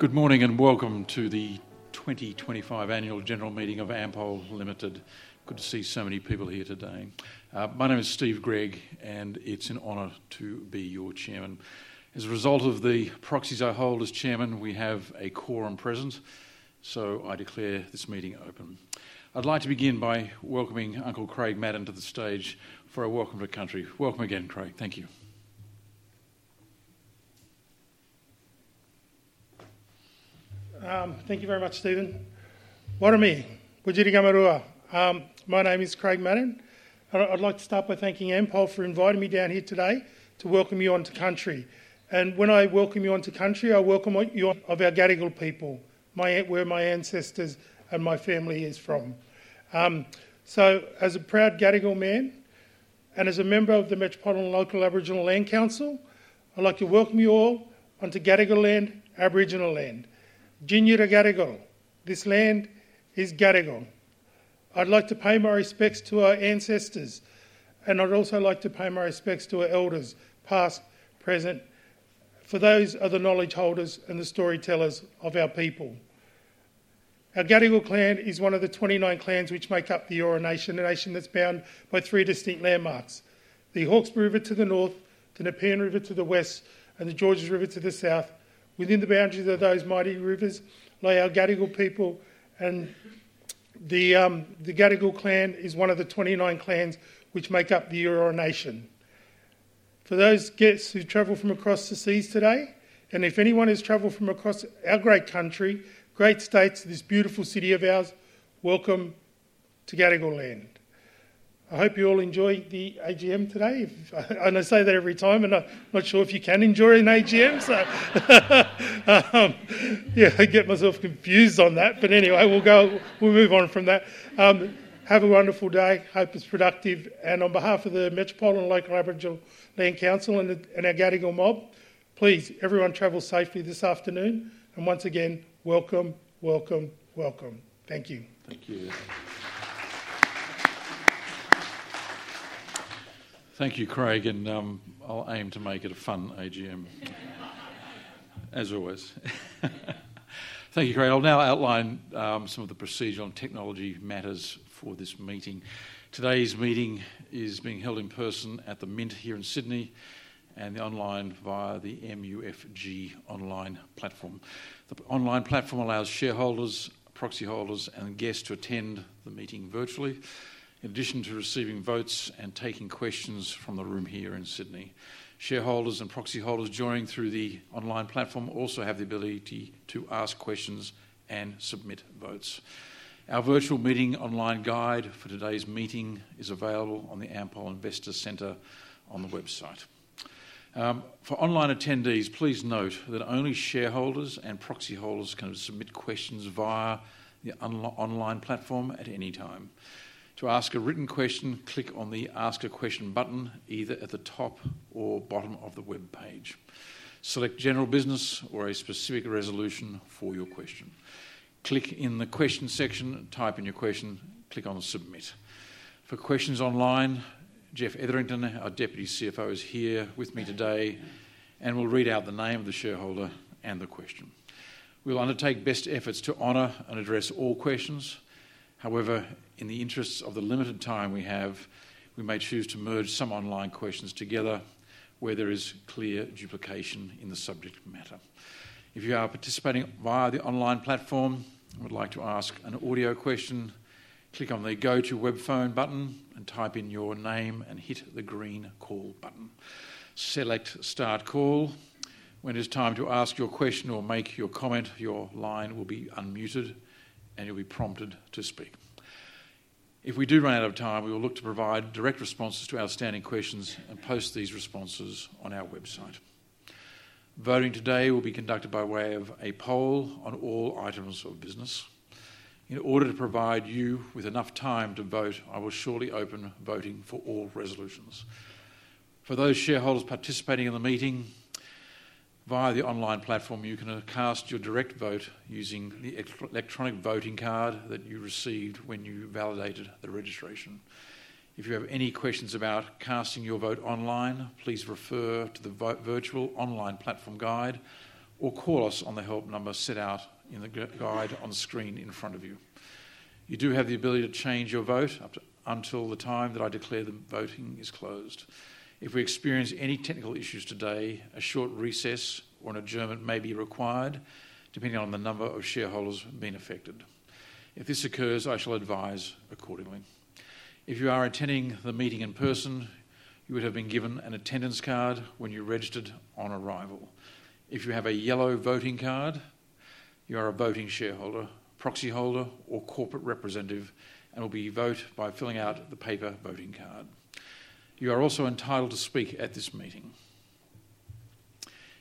Good morning and welcome to the 2025 Annual General Meeting of Ampol Limited. Good to see so many people here today. My name is Stephen Gregg, and it's an honor to be your chairman. As a result of the proxies I hold as chairman, we have a quorum present, so I declare this meeting open. I'd like to begin by welcoming Uncle Craig Madden to the stage for a Welcome to Country. Welcome again, Craig. Thank you. Thank you very much, Stephen. What are me? My name is Craig Madden. I'd like to start by thanking Ampol for inviting me down here today to welcome you onto country. When I welcome you onto country, I welcome you on of our Gadigal people, where my ancestors and my family are from. As a proud Gadigal man and as a member of the Metropolitan Local Aboriginal Land Council, I'd like to welcome you all onto Gadigal land, Aboriginal land. This land is Gadigal. I'd like to pay my respects to our ancestors, and I'd also like to pay my respects to our elders, past, present, for those are the knowledge holders and the storytellers of our people. Our Gadigal clan is one of the 29 clans which make up the Eora Nation, a nation that's bound by three distinct landmarks: the Hawkesbury River to the north, the Nepean River to the west, and the Georges River to the south. Within the boundaries of those mighty rivers lie our Gadigal people, and the Gadigal clan is one of the 29 clans which make up the Eora Nation. For those guests who travel from across the seas today, and if anyone has traveled from across our great country, great states, this beautiful city of ours, welcome to Gadigal land. I hope you all enjoy the AGM today. I say that every time, and I'm not sure if you can enjoy an AGM, so yeah, I get myself confused on that. Anyway, we'll go, we'll move on from that. Have a wonderful day, hope it's productive. On behalf of the Metropolitan Local Aboriginal Land Council and our Gadigal mob, please, everyone travel safely this afternoon. Once again, welcome, welcome, welcome. Thank you. Thank you. Thank you, Craig, and I'll aim to make it a fun AGM, as always. Thank you, Craig. I'll now outline some of the procedure and technology matters for this meeting. Today's meeting is being held in person at The Mint here in Sydney and online via the MUFG online platform. The online platform allows shareholders, proxy holders, and guests to attend the meeting virtually, in addition to receiving votes and taking questions from the room here in Sydney. Shareholders and proxy holders joining through the online platform also have the ability to ask questions and submit votes. Our virtual meeting online guide for today's meeting is available on the Ampol Investor Center on the website. For online attendees, please note that only shareholders and proxy holders can submit questions via the online platform at any time. To ask a written question, click on the Ask a Question button, either at the top or bottom of the web page. Select General Business or a specific resolution for your question. Click in the Question section, type in your question, click on Submit. For questions online, Jeff Etherington, our Deputy CFO, is here with me today and will read out the name of the shareholder and the question. We will undertake best efforts to honor and address all questions. However, in the interests of the limited time we have, we may choose to merge some online questions together where there is clear duplication in the subject matter. If you are participating via the online platform and would like to ask an audio question, click on the Go to Web Phone button and type in your name and hit the green Call button. Select Start Call. When it is time to ask your question or make your comment, your line will be unmuted and you'll be prompted to speak. If we do run out of time, we will look to provide direct responses to outstanding questions and post these responses on our website. Voting today will be conducted by way of a poll on all items of business. In order to provide you with enough time to vote, I will shortly open voting for all resolutions. For those shareholders participating in the meeting via the online platform, you can cast your direct vote using the electronic voting card that you received when you validated the registration. If you have any questions about casting your vote online, please refer to the Virtual Online Platform Guide or call us on the help number set out in the guide on the screen in front of you. You do have the ability to change your vote until the time that I declare the voting is closed. If we experience any technical issues today, a short recess or an adjournment may be required, depending on the number of shareholders being affected. If this occurs, I shall advise accordingly. If you are attending the meeting in person, you would have been given an attendance card when you registered on arrival. If you have a yellow voting card, you are a voting shareholder, proxy holder, or corporate representative and will vote by filling out the paper voting card. You are also entitled to speak at this meeting.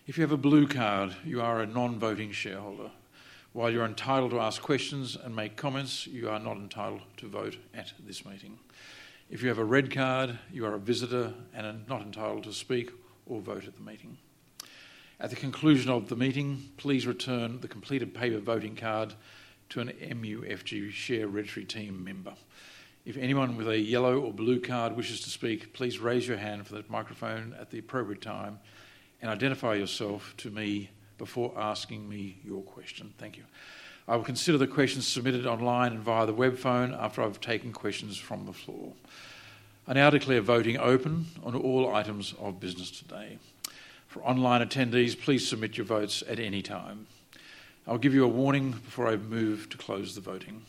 If you have a blue card, you are a non-voting shareholder. While you're entitled to ask questions and make comments, you are not entitled to vote at this meeting. If you have a red card, you are a visitor and are not entitled to speak or vote at the meeting. At the conclusion of the meeting, please return the completed paper voting card to an MUFG share registry team member. If anyone with a yellow or blue card wishes to speak, please raise your hand for the microphone at the appropriate time and identify yourself to me before asking me your question. Thank you. I will consider the questions submitted online and via the web phone after I've taken questions from the floor. I now declare voting open on all items of business today. For online attendees, please submit your votes at any time. I'll give you a warning before I move to close the voting.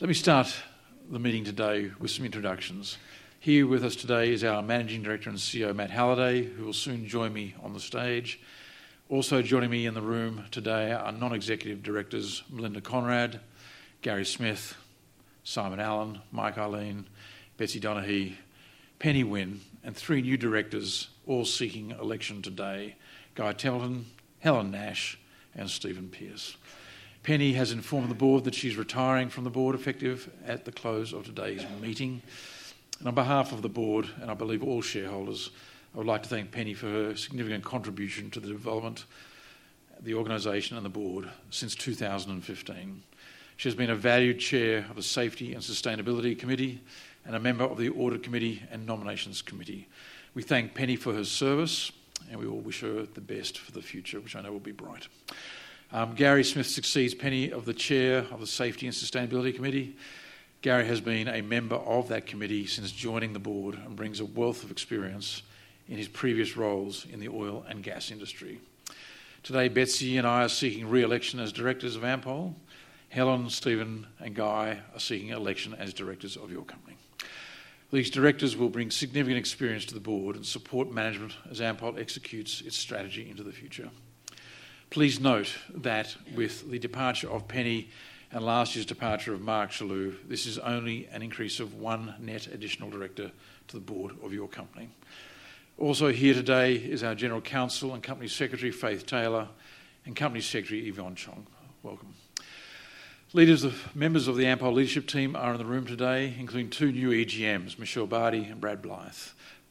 Let me start the meeting today with some introductions. Here with us today is our Managing Director and CEO, Matt Halliday, who will soon join me on the stage. Also joining me in the room today are non-executive directors, Melinda Conrad, Gary Smith, Simon Allen, Mike Ihlein, Betsy Donohue, Penny Wynne, and three new directors, all seeking election today, Guy Templeton, Helen Nash, and Stephen Pearce. Penny has informed the board that she's retiring from the board effective at the close of today's meeting. On behalf of the board and I believe all shareholders, I would like to thank Penny for her significant contribution to the development, the organization, and the board since 2015. She has been a valued Chair of the Safety and Sustainability Committee and a member of the Audit Committee and Nominations Committee. We thank Penny for her service and we all wish her the best for the future, which I know will be bright. Gary Smith succeeds Penny as Chair of the Safety and Sustainability Committee. Gary has been a member of that committee since joining the board and brings a wealth of experience in his previous roles in the oil and gas industry. Today, Betsy and I are seeking re-election as directors of Ampol. Helen, Stephen, and Guy are seeking election as directors of your company. These directors will bring significant experience to the board and support management as Ampol executes its strategy into the future. Please note that with the departure of Penny and last year's departure of Mark Shalu, this is only an increase of one net additional director to the board of your company. Also here today is our General Counsel and Company Secretary, Faith Taylor, and Company Secretary, Yvonne Chong. Welcome. Leaders of members of the Ampol leadership team are in the room today, including two new AGM, Michelle Barty and Brad Blythe.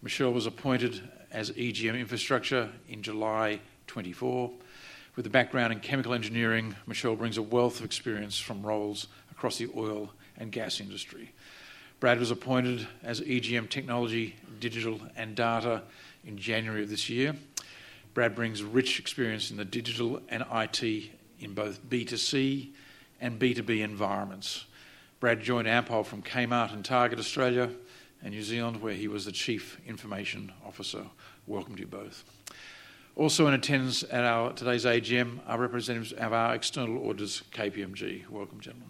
Michelle was appointed as AGM Infrastructure in July 2024. With a background in chemical engineering, Michelle brings a wealth of experience from roles across the oil and gas industry. Brad was appointed as AGM Technology, Digital, and Data in January of this year. Brad brings rich experience in the digital and IT in both B2C and B2B environments. Brad joined Ampol from Kmart and Target, Australia, and New Zealand, where he was the Chief Information Officer. Welcome to you both. Also in attendance at today's AGM are representatives of our external auditors, KPMG. Welcome, gentlemen.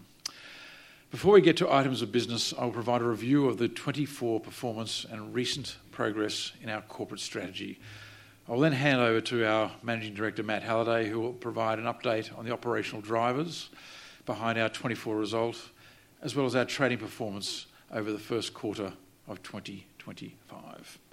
Before we get to items of business, I will provide a review of the 2024 performance and recent progress in our corporate strategy. I'll then hand over to our Managing Director, Matt Halliday, who will provide an update on the operational drivers behind our 2024 result, as well as our trading performance over the first quarter of 2025. Thank you.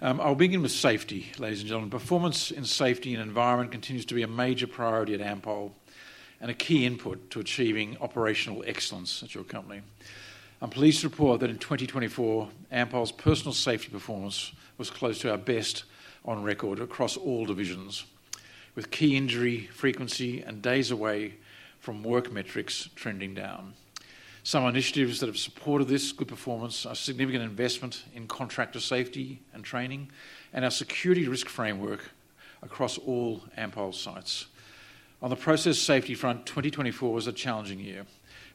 I'll begin with safety, ladies and gentlemen. Performance in safety and environment continues to be a major priority at Ampol and a key input to achieving operational excellence at your company. I'm pleased to report that in 2024, Ampol's personal safety performance was close to our best on record across all divisions, with key injury frequency and days away from work metrics trending down. Some initiatives that have supported this good performance are significant investment in contractor safety and training and our security risk framework across all Ampol sites. On the process safety front, 2024 was a challenging year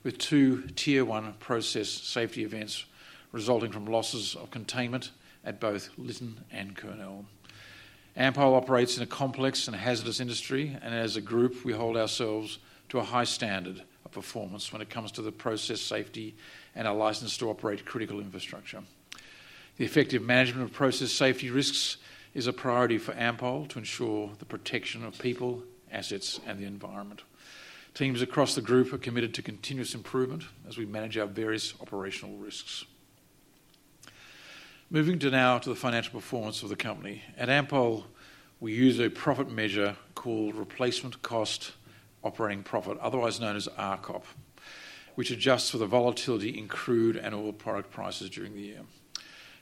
with two tier one process safety events resulting from losses of containment at both Lytton and Kurnell. Ampol operates in a complex and hazardous industry, and as a group, we hold ourselves to a high standard of performance when it comes to process safety and are licensed to operate critical infrastructure. The effective management of process safety risks is a priority for Ampol to ensure the protection of people, assets, and the environment. Teams across the group are committed to continuous improvement as we manage our various operational risks. Moving now to the financial performance of the company. At Ampol, we use a profit measure called Replacement Cost Operating Profit, otherwise known as RCOP, which adjusts for the volatility in crude and oil product prices during the year.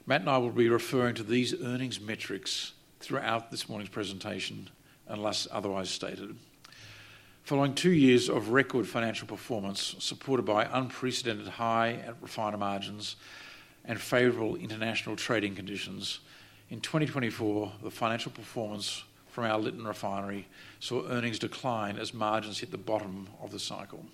Matt and I will be referring to these earnings metrics throughout this morning's presentation unless otherwise stated. Following two years of record financial performance supported by unprecedented high refinery margins and favorable international trading conditions, in 2024, the financial performance from our Lytton refinery saw earnings decline as margins hit the bottom of the cycle.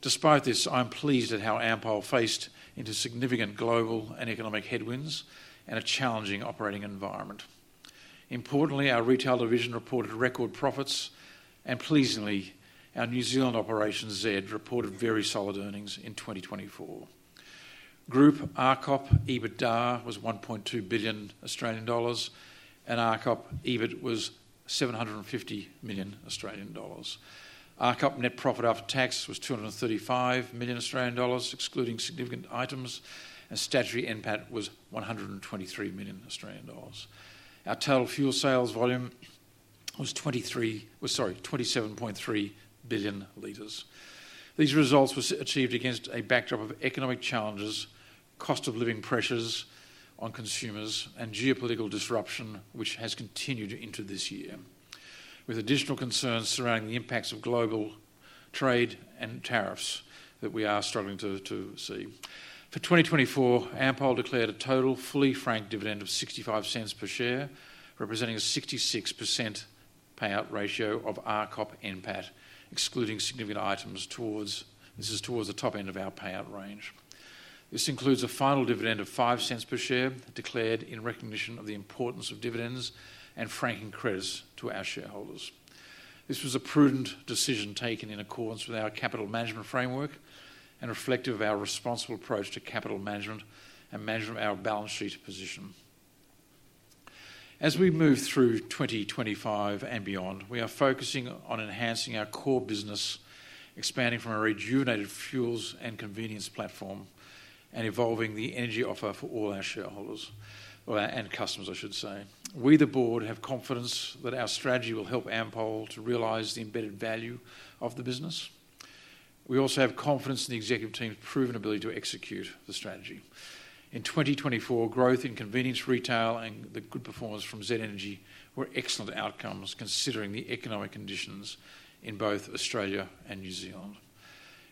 Despite this, I'm pleased at how Ampol faced into significant global and economic headwinds and a challenging operating environment. Importantly, our retail division reported record profits, and pleasingly, our New Zealand operation Z reported very solid earnings in 2024. Group RCOP EBITDA was 1.2 billion Australian dollars, and RCOP EBIT was 750 million Australian dollars. RCOP net profit after tax was 235 million Australian dollars, excluding significant items, and statutory impact was 123 million Australian dollars. Our total fuel sales volume was 27.3 billion liters. These results were achieved against a backdrop of economic challenges, cost of living pressures on consumers, and geopolitical disruption, which has continued into this year, with additional concerns surrounding the impacts of global trade and tariffs that we are struggling to see. For 2024, Ampol declared a total fully franked dividend of 0.65 per share, representing a 66% payout ratio of RCOP impact, excluding significant items. This is towards the top end of our payout range. This includes a final dividend of 0.05 per share declared in recognition of the importance of dividends and franking credits to our shareholders. This was a prudent decision taken in accordance with our capital management framework and reflective of our responsible approach to capital management and management of our balance sheet position. As we move through 2025 and beyond, we are focusing on enhancing our core business, expanding from a rejuvenated fuels and convenience platform and evolving the energy offer for all our shareholders and customers, I should say. We, the board, have confidence that our strategy will help Ampol to realize the embedded value of the business. We also have confidence in the executive team's proven ability to execute the strategy. In 2024, growth in convenience retail and the good performance from Z Energy were excellent outcomes considering the economic conditions in both Australia and New Zealand.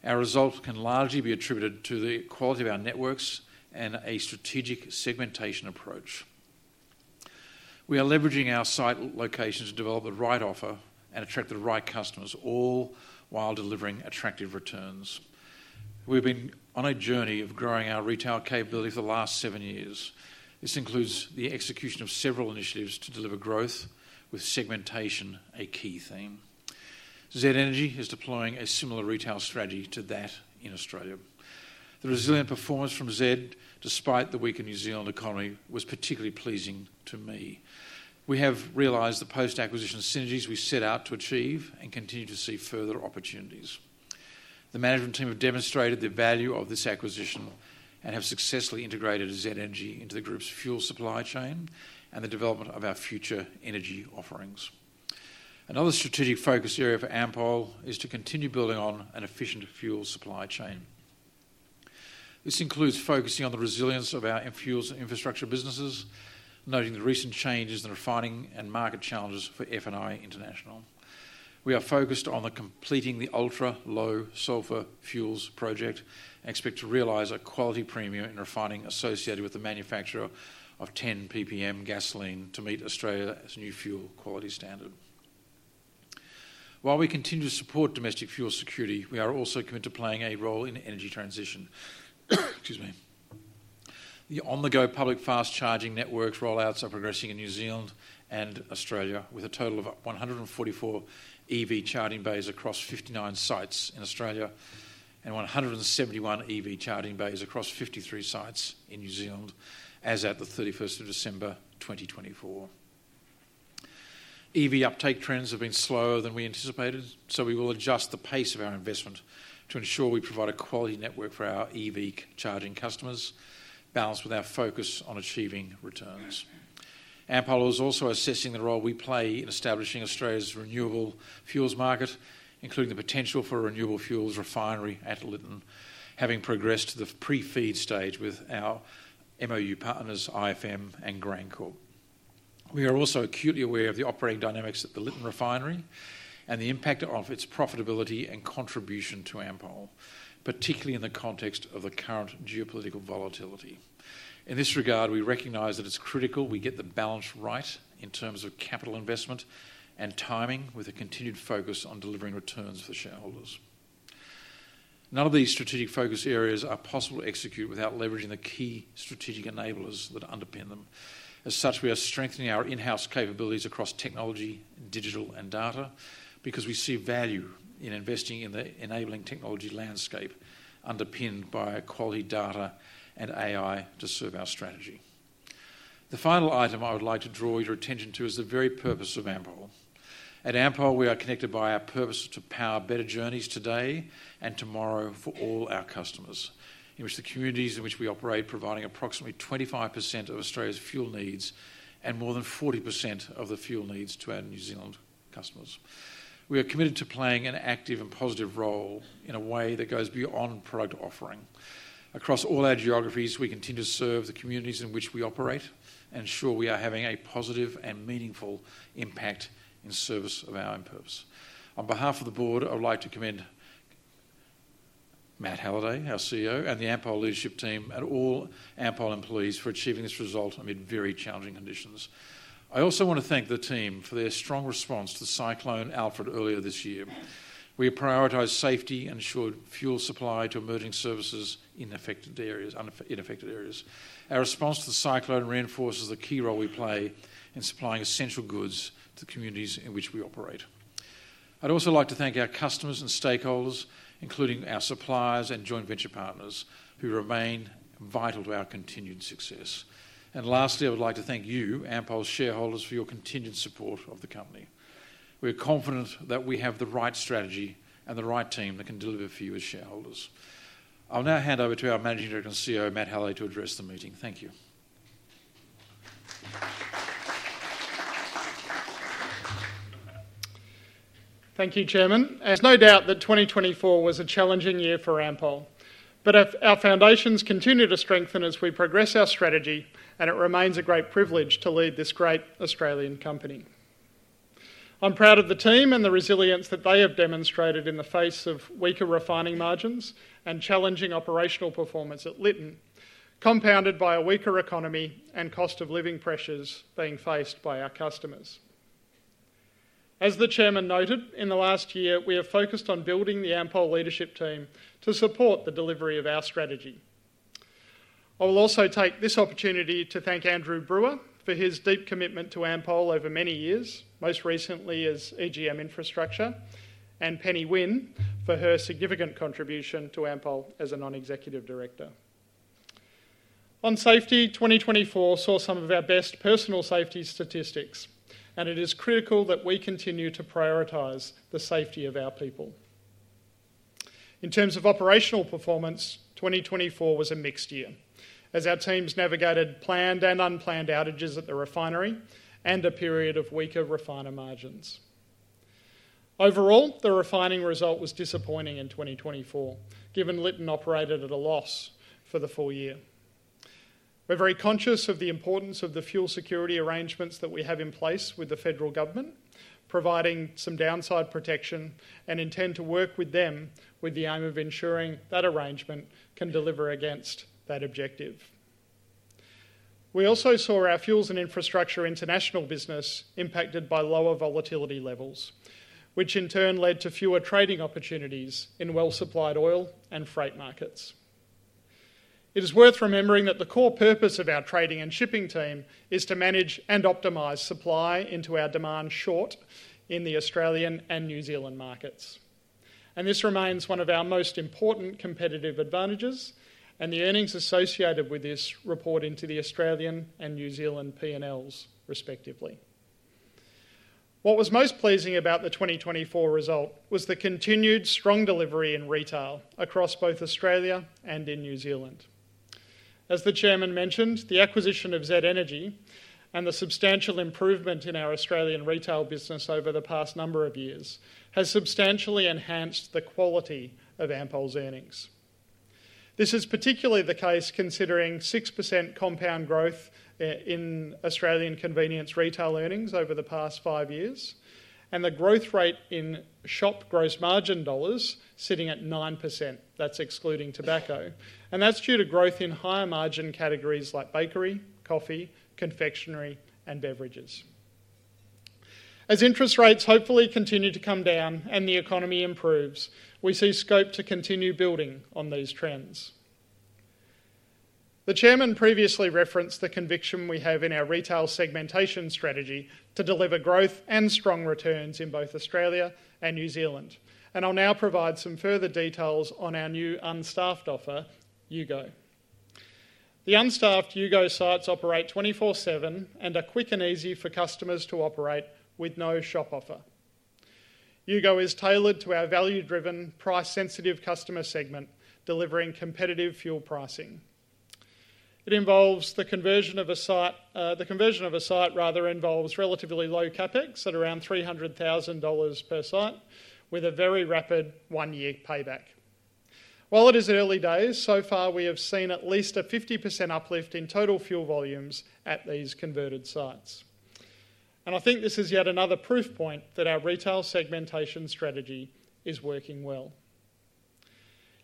Our results can largely be attributed to the quality of our networks and a strategic segmentation approach. We are leveraging our site location to develop the right offer and attract the right customers, all while delivering attractive returns. We've been on a journey of growing our retail capability for the last seven years. This includes the execution of several initiatives to deliver growth, with segmentation a key theme. Z Energy is deploying a similar retail strategy to that in Australia. The resilient performance from Z, despite the weakened New Zealand economy, was particularly pleasing to me. We have realized the post-acquisition synergies we set out to achieve and continue to see further opportunities. The management team have demonstrated the value of this acquisition and have successfully integrated Z Energy into the group's fuel supply chain and the development of our future energy offerings. Another strategic focus area for Ampol is to continue building on an efficient fuel supply chain. This includes focusing on the resilience of our fuels and infrastructure businesses, noting the recent changes in refining and market challenges for F&I International. We are focused on completing the ultra-low sulfur fuels project and expect to realize a quality premium in refining associated with the manufacture of 10 PPM gasoline to meet Australia's new fuel quality standard. While we continue to support domestic fuel security, we are also committed to playing a role in energy transition. The on-the-go public fast charging networks rollouts are progressing in New Zealand and Australia, with a total of 144 EV charging bays across 59 sites in Australia and 171 EV charging bays across 53 sites in New Zealand, as at the 31st of December 2024. EV uptake trends have been slower than we anticipated, so we will adjust the pace of our investment to ensure we provide a quality network for our EV charging customers, balanced with our focus on achieving returns. Ampol is also assessing the role we play in establishing Australia's renewable fuels market, including the potential for a renewable fuels refinery at Lytton, having progressed to the pre-feed stage with our MoU partners, IFM and GrainCorp. We are also acutely aware of the operating dynamics at the Lytton refinery and the impact of its profitability and contribution to Ampol, particularly in the context of the current geopolitical volatility. In this regard, we recognize that it's critical we get the balance right in terms of capital investment and timing, with a continued focus on delivering returns for shareholders. None of these strategic focus areas are possible to execute without leveraging the key strategic enablers that underpin them. As such, we are strengthening our in-house capabilities across technology, digital, and data because we see value in investing in the enabling technology landscape underpinned by quality data and AI to serve our strategy. The final item I would like to draw your attention to is the very purpose of Ampol. At Ampol, we are connected by our purpose to power better journeys today and tomorrow for all our customers, in the communities in which we operate, providing approximately 25% of Australia's fuel needs and more than 40% of the fuel needs to our New Zealand customers. We are committed to playing an active and positive role in a way that goes beyond product offering. Across all our geographies, we continue to serve the communities in which we operate and ensure we are having a positive and meaningful impact in service of our own purpose. On behalf of the board, I would like to commend Matt Halliday, our CEO, and the Ampol leadership team and all Ampol employees for achieving this result amid very challenging conditions. I also want to thank the team for their strong response to the Cyclone Alfred earlier this year. We have prioritized safety and ensured fuel supply to emerging services in affected areas. Our response to the cyclone reinforces the key role we play in supplying essential goods to the communities in which we operate. I would also like to thank our customers and stakeholders, including our suppliers and joint venture partners, who remain vital to our continued success. Lastly, I would like to thank you, Ampol's shareholders, for your continued support of the company. We are confident that we have the right strategy and the right team that can deliver for you as shareholders. I'll now hand over to our Managing Director and CEO, Matt Halliday, to address the meeting. Thank you. Thank you, Chairman. There is no doubt that 2024 was a challenging year for Ampol, but our foundations continue to strengthen as we progress our strategy, and it remains a great privilege to lead this great Australian company. I am proud of the team and the resilience that they have demonstrated in the face of weaker refining margins and challenging operational performance at Lytton, compounded by a weaker economy and cost of living pressures being faced by our customers. As the Chairman noted, in the last year, we have focused on building the Ampol leadership team to support the delivery of our strategy. I will also take this opportunity to thank Andrew Brewer for his deep commitment to Ampol over many years, most recently as EGM Infrastructure, and Penny Wynne for her significant contribution to Ampol as a non-executive director. On safety, 2024 saw some of our best personal safety statistics, and it is critical that we continue to prioritize the safety of our people. In terms of operational performance, 2024 was a mixed year as our teams navigated planned and unplanned outages at the refinery and a period of weaker refiner margins. Overall, the refining result was disappointing in 2024, given Lytton operated at a loss for the full year. We're very conscious of the importance of the fuel security arrangements that we have in place with the federal government, providing some downside protection, and intend to work with them with the aim of ensuring that arrangement can deliver against that objective. We also saw our fuels and infrastructure international business impacted by lower volatility levels, which in turn led to fewer trading opportunities in well-supplied oil and freight markets. It is worth remembering that the core purpose of our trading and shipping team is to manage and optimize supply into our demand short in the Australian and New Zealand markets, and this remains one of our most important competitive advantages and the earnings associated with this reporting to the Australian and New Zealand P&Ls, respectively. What was most pleasing about the 2024 result was the continued strong delivery in retail across both Australia and in New Zealand. As the Chairman mentioned, the acquisition of Z Energy and the substantial improvement in our Australian retail business over the past number of years has substantially enhanced the quality of Ampol's earnings. This is particularly the case considering 6% compound growth in Australian convenience retail earnings over the past five years and the growth rate in shop gross margin dollars sitting at 9%. That's excluding tobacco, and that's due to growth in higher margin categories like bakery, coffee, confectionery, and beverages. As interest rates hopefully continue to come down and the economy improves, we see scope to continue building on these trends. The Chairman previously referenced the conviction we have in our retail segmentation strategy to deliver growth and strong returns in both Australia and New Zealand, and I'll now provide some further details on our new unstaffed offer, Yugo. The unstaffed Yugo sites operate 24/7 and are quick and easy for customers to operate with no shop offer. Yugo is tailored to our value-driven, price-sensitive customer segment, delivering competitive fuel pricing. It involves the conversion of a site, the conversion of a site, rather, involves relatively low CapEx at around 300,000 dollars per site, with a very rapid one-year payback. While it is early days, so far we have seen at least a 50% uplift in total fuel volumes at these converted sites, and I think this is yet another proof point that our retail segmentation strategy is working well.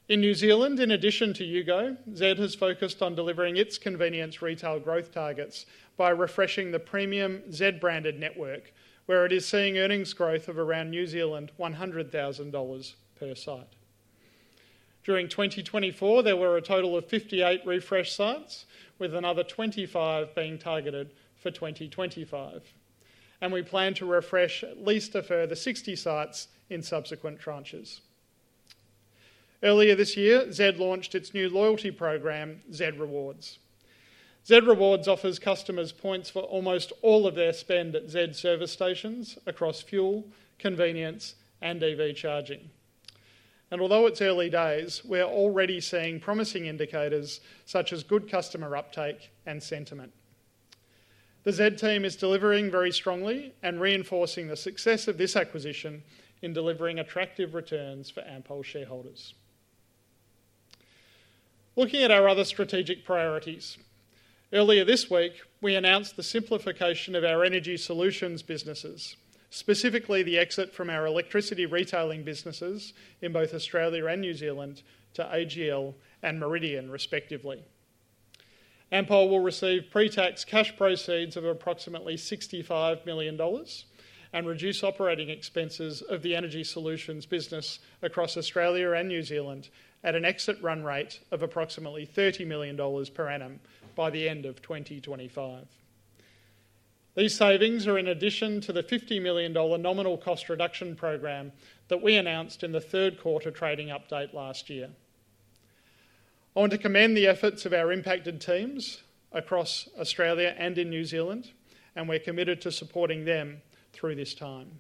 In New Zealand, in addition to Yugo, Z has focused on delivering its convenience retail growth targets by refreshing the premium Z-branded network, where it is seeing earnings growth of around 100,000 dollars per site. During 2024, there were a total of 58 refresh sites, with another 25 being targeted for 2025, and we plan to refresh at least a further 60 sites in subsequent tranches. Earlier this year, Z launched its new loyalty program, Z Rewards. Z Rewards offers customers points for almost all of their spend at Z service stations across fuel, convenience, and EV charging. Although it's early days, we're already seeing promising indicators such as good customer uptake and sentiment. The Z team is delivering very strongly and reinforcing the success of this acquisition in delivering attractive returns for Ampol shareholders. Looking at our other strategic priorities, earlier this week, we announced the simplification of our energy solutions businesses, specifically the exit from our electricity retailing businesses in both Australia and New Zealand to AGL and Meridian, respectively. Ampol will receive pre-tax cash proceeds of approximately 65 million dollars and reduce operating expenses of the energy solutions business across Australia and New Zealand at an exit run rate of approximately 30 million dollars per annum by the end of 2025. These savings are in addition to the 50 million dollar nominal cost reduction program that we announced in the third quarter trading update last year. I want to commend the efforts of our impacted teams across Australia and in New Zealand, and we're committed to supporting them through this time.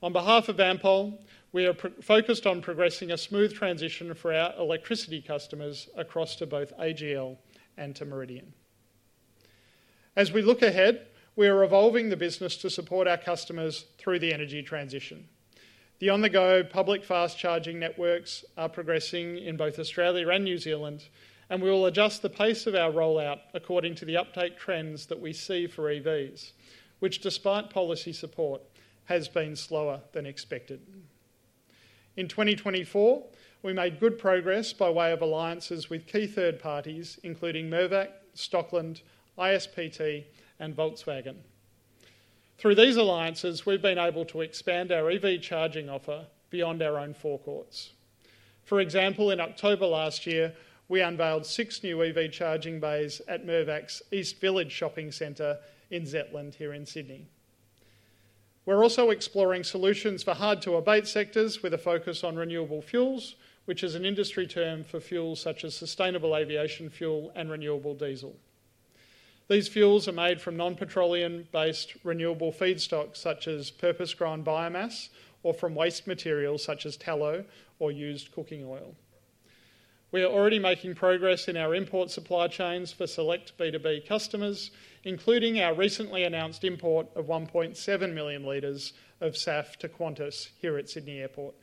On behalf of Ampol, we are focused on progressing a smooth transition for our electricity customers across to both AGL and to Meridian. As we look ahead, we are evolving the business to support our customers through the energy transition. The on-the-go public fast charging networks are progressing in both Australia and New Zealand, and we will adjust the pace of our rollout according to the uptake trends that we see for EVs, which, despite policy support, has been slower than expected. In 2024, we made good progress by way of alliances with key third parties, including Mervech, Stockland, ISPT, and Volkswagen. Through these alliances, we've been able to expand our EV charging offer beyond our own forecourts. For example, in October last year, we unveiled six new EV charging bays at East Village Shopping Centre in Zetland here in Sydney. We're also exploring solutions for hard-to-abate sectors with a focus on renewable fuels, which is an industry term for fuels such as sustainable aviation fuel and renewable diesel. These fuels are made from non-petroleum-based renewable feedstocks such as purpose-grown biomass or from waste materials such as tallow or used cooking oil. We are already making progress in our import supply chains for select B2B customers, including our recently announced import of 1.7 million liters of SAF to Qantas here at Sydney Airport.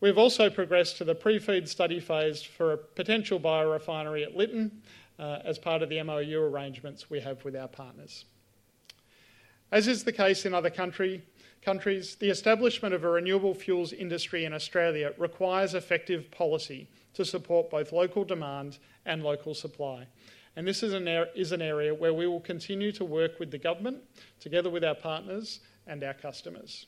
We have also progressed to the pre-feed study phase for a potential biorefinery at Lytton as part of the MoU arrangements we have with our partners. As is the case in other countries, the establishment of a renewable fuels industry in Australia requires effective policy to support both local demand and local supply, and this is an area where we will continue to work with the government together with our partners and our customers.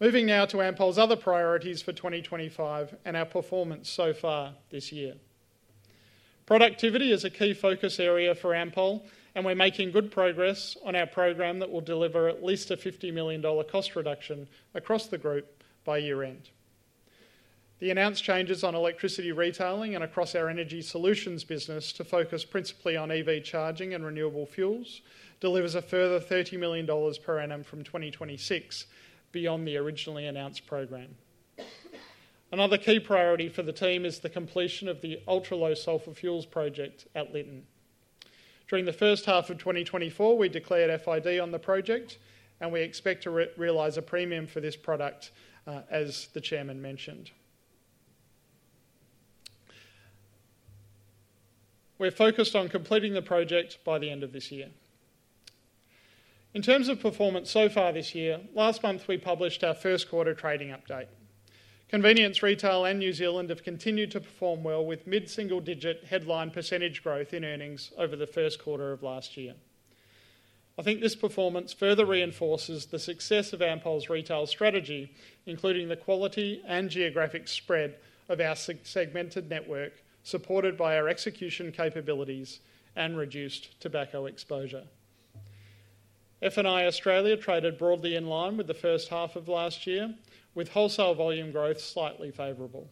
Moving now to Ampol's other priorities for 2025 and our performance so far this year. Productivity is a key focus area for Ampol, and we're making good progress on our program that will deliver at least 50 million dollar cost reduction across the group by year-end. The announced changes on electricity retailing and across our energy solutions business to focus principally on EV charging and renewable fuels delivers a further 30 million dollars per annum from 2026 beyond the originally announced program. Another key priority for the team is the completion of the ultra-low sulfur fuels project at Lytton. During the first half of 2024, we declared FID on the project, and we expect to realise a premium for this product, as the Chairman mentioned. We're focused on completing the project by the end of this year. In terms of performance so far this year, last month we published our first quarter trading update. Convenience retail and New Zealand have continued to perform well with mid-single-digit headline % growth in earnings over the first quarter of last year. I think this performance further reinforces the success of Ampol's retail strategy, including the quality and geographic spread of our segmented network supported by our execution capabilities and reduced tobacco exposure. F&I Australia traded broadly in line with the first half of last year, with wholesale volume growth slightly favorable,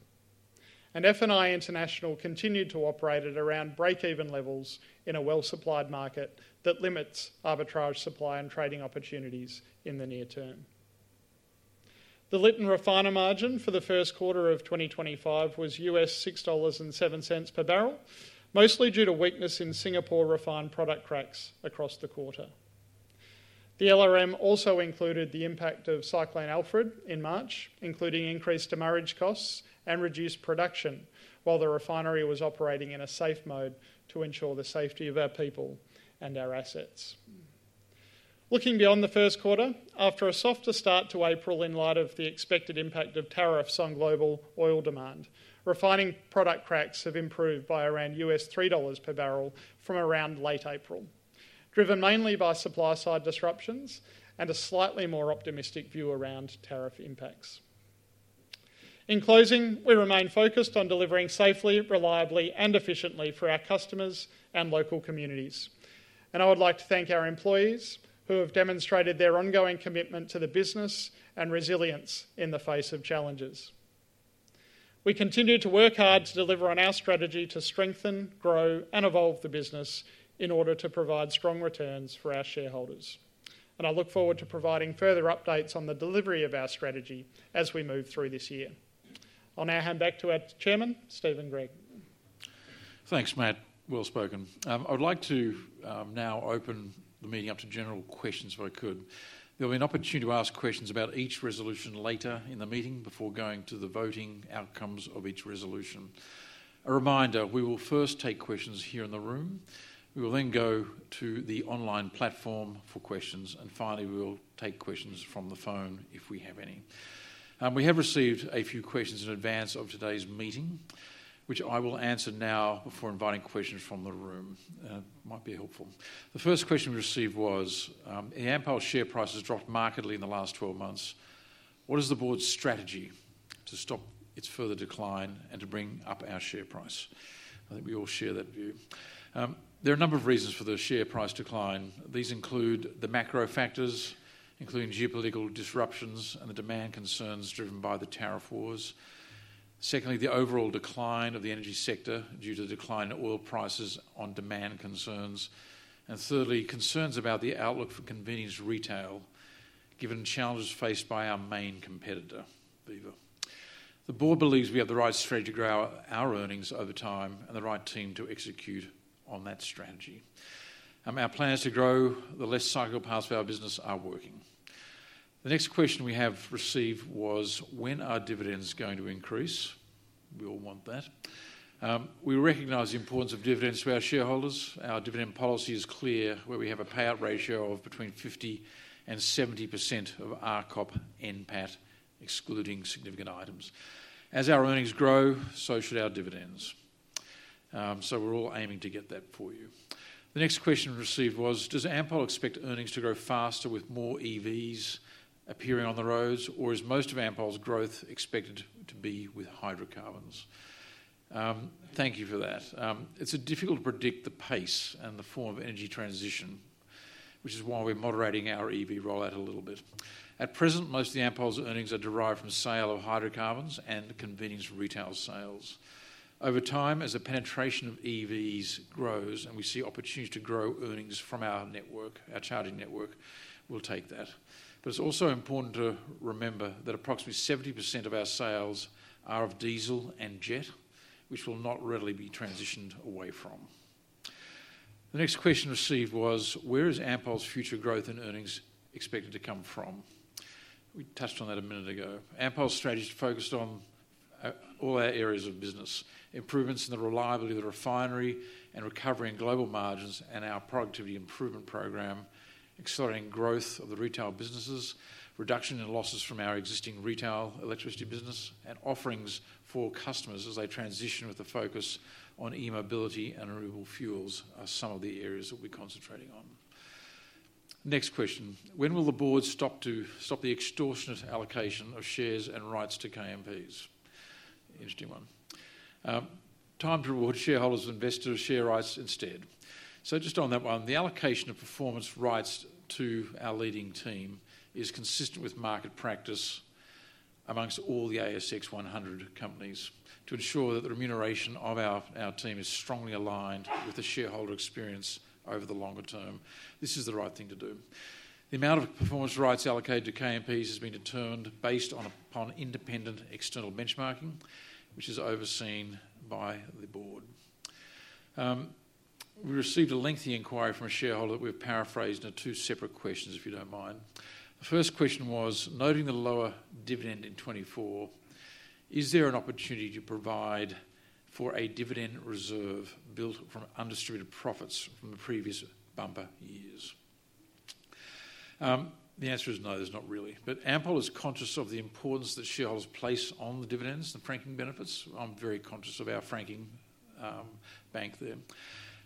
and F&I International continued to operate at around break-even levels in a well-supplied market that limits arbitrage supply and trading opportunities in the near term. The Lytton refiner margin for the first quarter of 2025 was $6.07 per barrel, mostly due to weakness in Singapore refined product cracks across the quarter. The LRM also included the impact of Cyclone Alfred in March, including increased demurrage costs and reduced production while the refinery was operating in a safe mode to ensure the safety of our people and our assets. Looking beyond the first quarter, after a softer start to April in light of the expected impact of tariffs on global oil demand, refining product cracks have improved by around $3 per barrel from around late April, driven mainly by supply-side disruptions and a slightly more optimistic view around tariff impacts. In closing, we remain focused on delivering safely, reliably, and efficiently for our customers and local communities, and I would like to thank our employees who have demonstrated their ongoing commitment to the business and resilience in the face of challenges. We continue to work hard to deliver on our strategy to strengthen, grow, and evolve the business in order to provide strong returns for our shareholders, and I look forward to providing further updates on the delivery of our strategy as we move through this year. I'll now hand back to our Chairman, Stephen Gregg. Thanks, Matt. I would like to now open the meeting up to general questions if I could. There'll be an opportunity to ask questions about each resolution later in the meeting before going to the voting outcomes of each resolution. A reminder, we will first take questions here in the room. We will then go to the online platform for questions, and finally, we will take questions from the phone if we have any. We have received a few questions in advance of today's meeting, which I will answer now before inviting questions from the room. It might be helpful. The first question we received was, "If Ampol's share price has dropped markedly in the last 12 months, what is the board's strategy to stop its further decline and to bring up our share price?" I think we all share that view. There are a number of reasons for the share price decline. These include the macro factors, including geopolitical disruptions and the demand concerns driven by the tariff wars. Secondly, the overall decline of the energy sector due to the decline in oil prices on demand concerns. Thirdly, concerns about the outlook for convenience retail given challenges faced by our main competitor, Viva Energy. The board believes we have the right strategy to grow our earnings over time and the right team to execute on that strategy. Our plans to grow the less cyclical parts of our business are working. The next question we have received was, "When are dividends going to increase?" We all want that. We recognize the importance of dividends to our shareholders. Our dividend policy is clear, where we have a payout ratio of between 50 and 70% of our RCOP and PAT, excluding significant items. As our earnings grow, so should our dividends. We are all aiming to get that for you. The next question we received was, "Does Ampol expect earnings to grow faster with more EVs appearing on the roads, or is most of Ampol's growth expected to be with hydrocarbons?" Thank you for that. It is difficult to predict the pace and the form of energy transition, which is why we are moderating our EV rollout a little bit. At present, most of Ampol's earnings are derived from sale of hydrocarbons and convenience retail sales. Over time, as the penetration of EVs grows and we see opportunities to grow earnings from our network, our charging network, we will take that. It is also important to remember that approximately 70% of our sales are of diesel and jet, which will not readily be transitioned away from. The next question received was, "Where is Ampol's future growth in earnings expected to come from?" We touched on that a minute ago. Ampol's strategy is focused on all our areas of business: improvements in the reliability of the refinery and recovery in global margins and our productivity improvement program, accelerating growth of the retail businesses, reduction in losses from our existing retail electricity business, and offerings for customers as they transition with a focus on e-mobility and renewable fuels are some of the areas that we're concentrating on. Next question, "When will the board stop the extortionate allocation of shares and rights to KMPs?" Interesting one. Time to reward shareholders and investors with share rights instead. Just on that one, the allocation of performance rights to our leading team is consistent with market practice amongst all the ASX 100 companies to ensure that the remuneration of our team is strongly aligned with the shareholder experience over the longer term. This is the right thing to do. The amount of performance rights allocated to KMPs has been determined based upon independent external benchmarking, which is overseen by the board. We received a lengthy inquiry from a shareholder that we've paraphrased into two separate questions, if you don't mind. The first question was, "Noting the lower dividend in 2024, is there an opportunity to provide for a dividend reserve built from undistributed profits from the previous bumper years?" The answer is no, there's not really. Ampol is conscious of the importance that shareholders place on the dividends and the franking benefits. I'm very conscious of our franking bank there.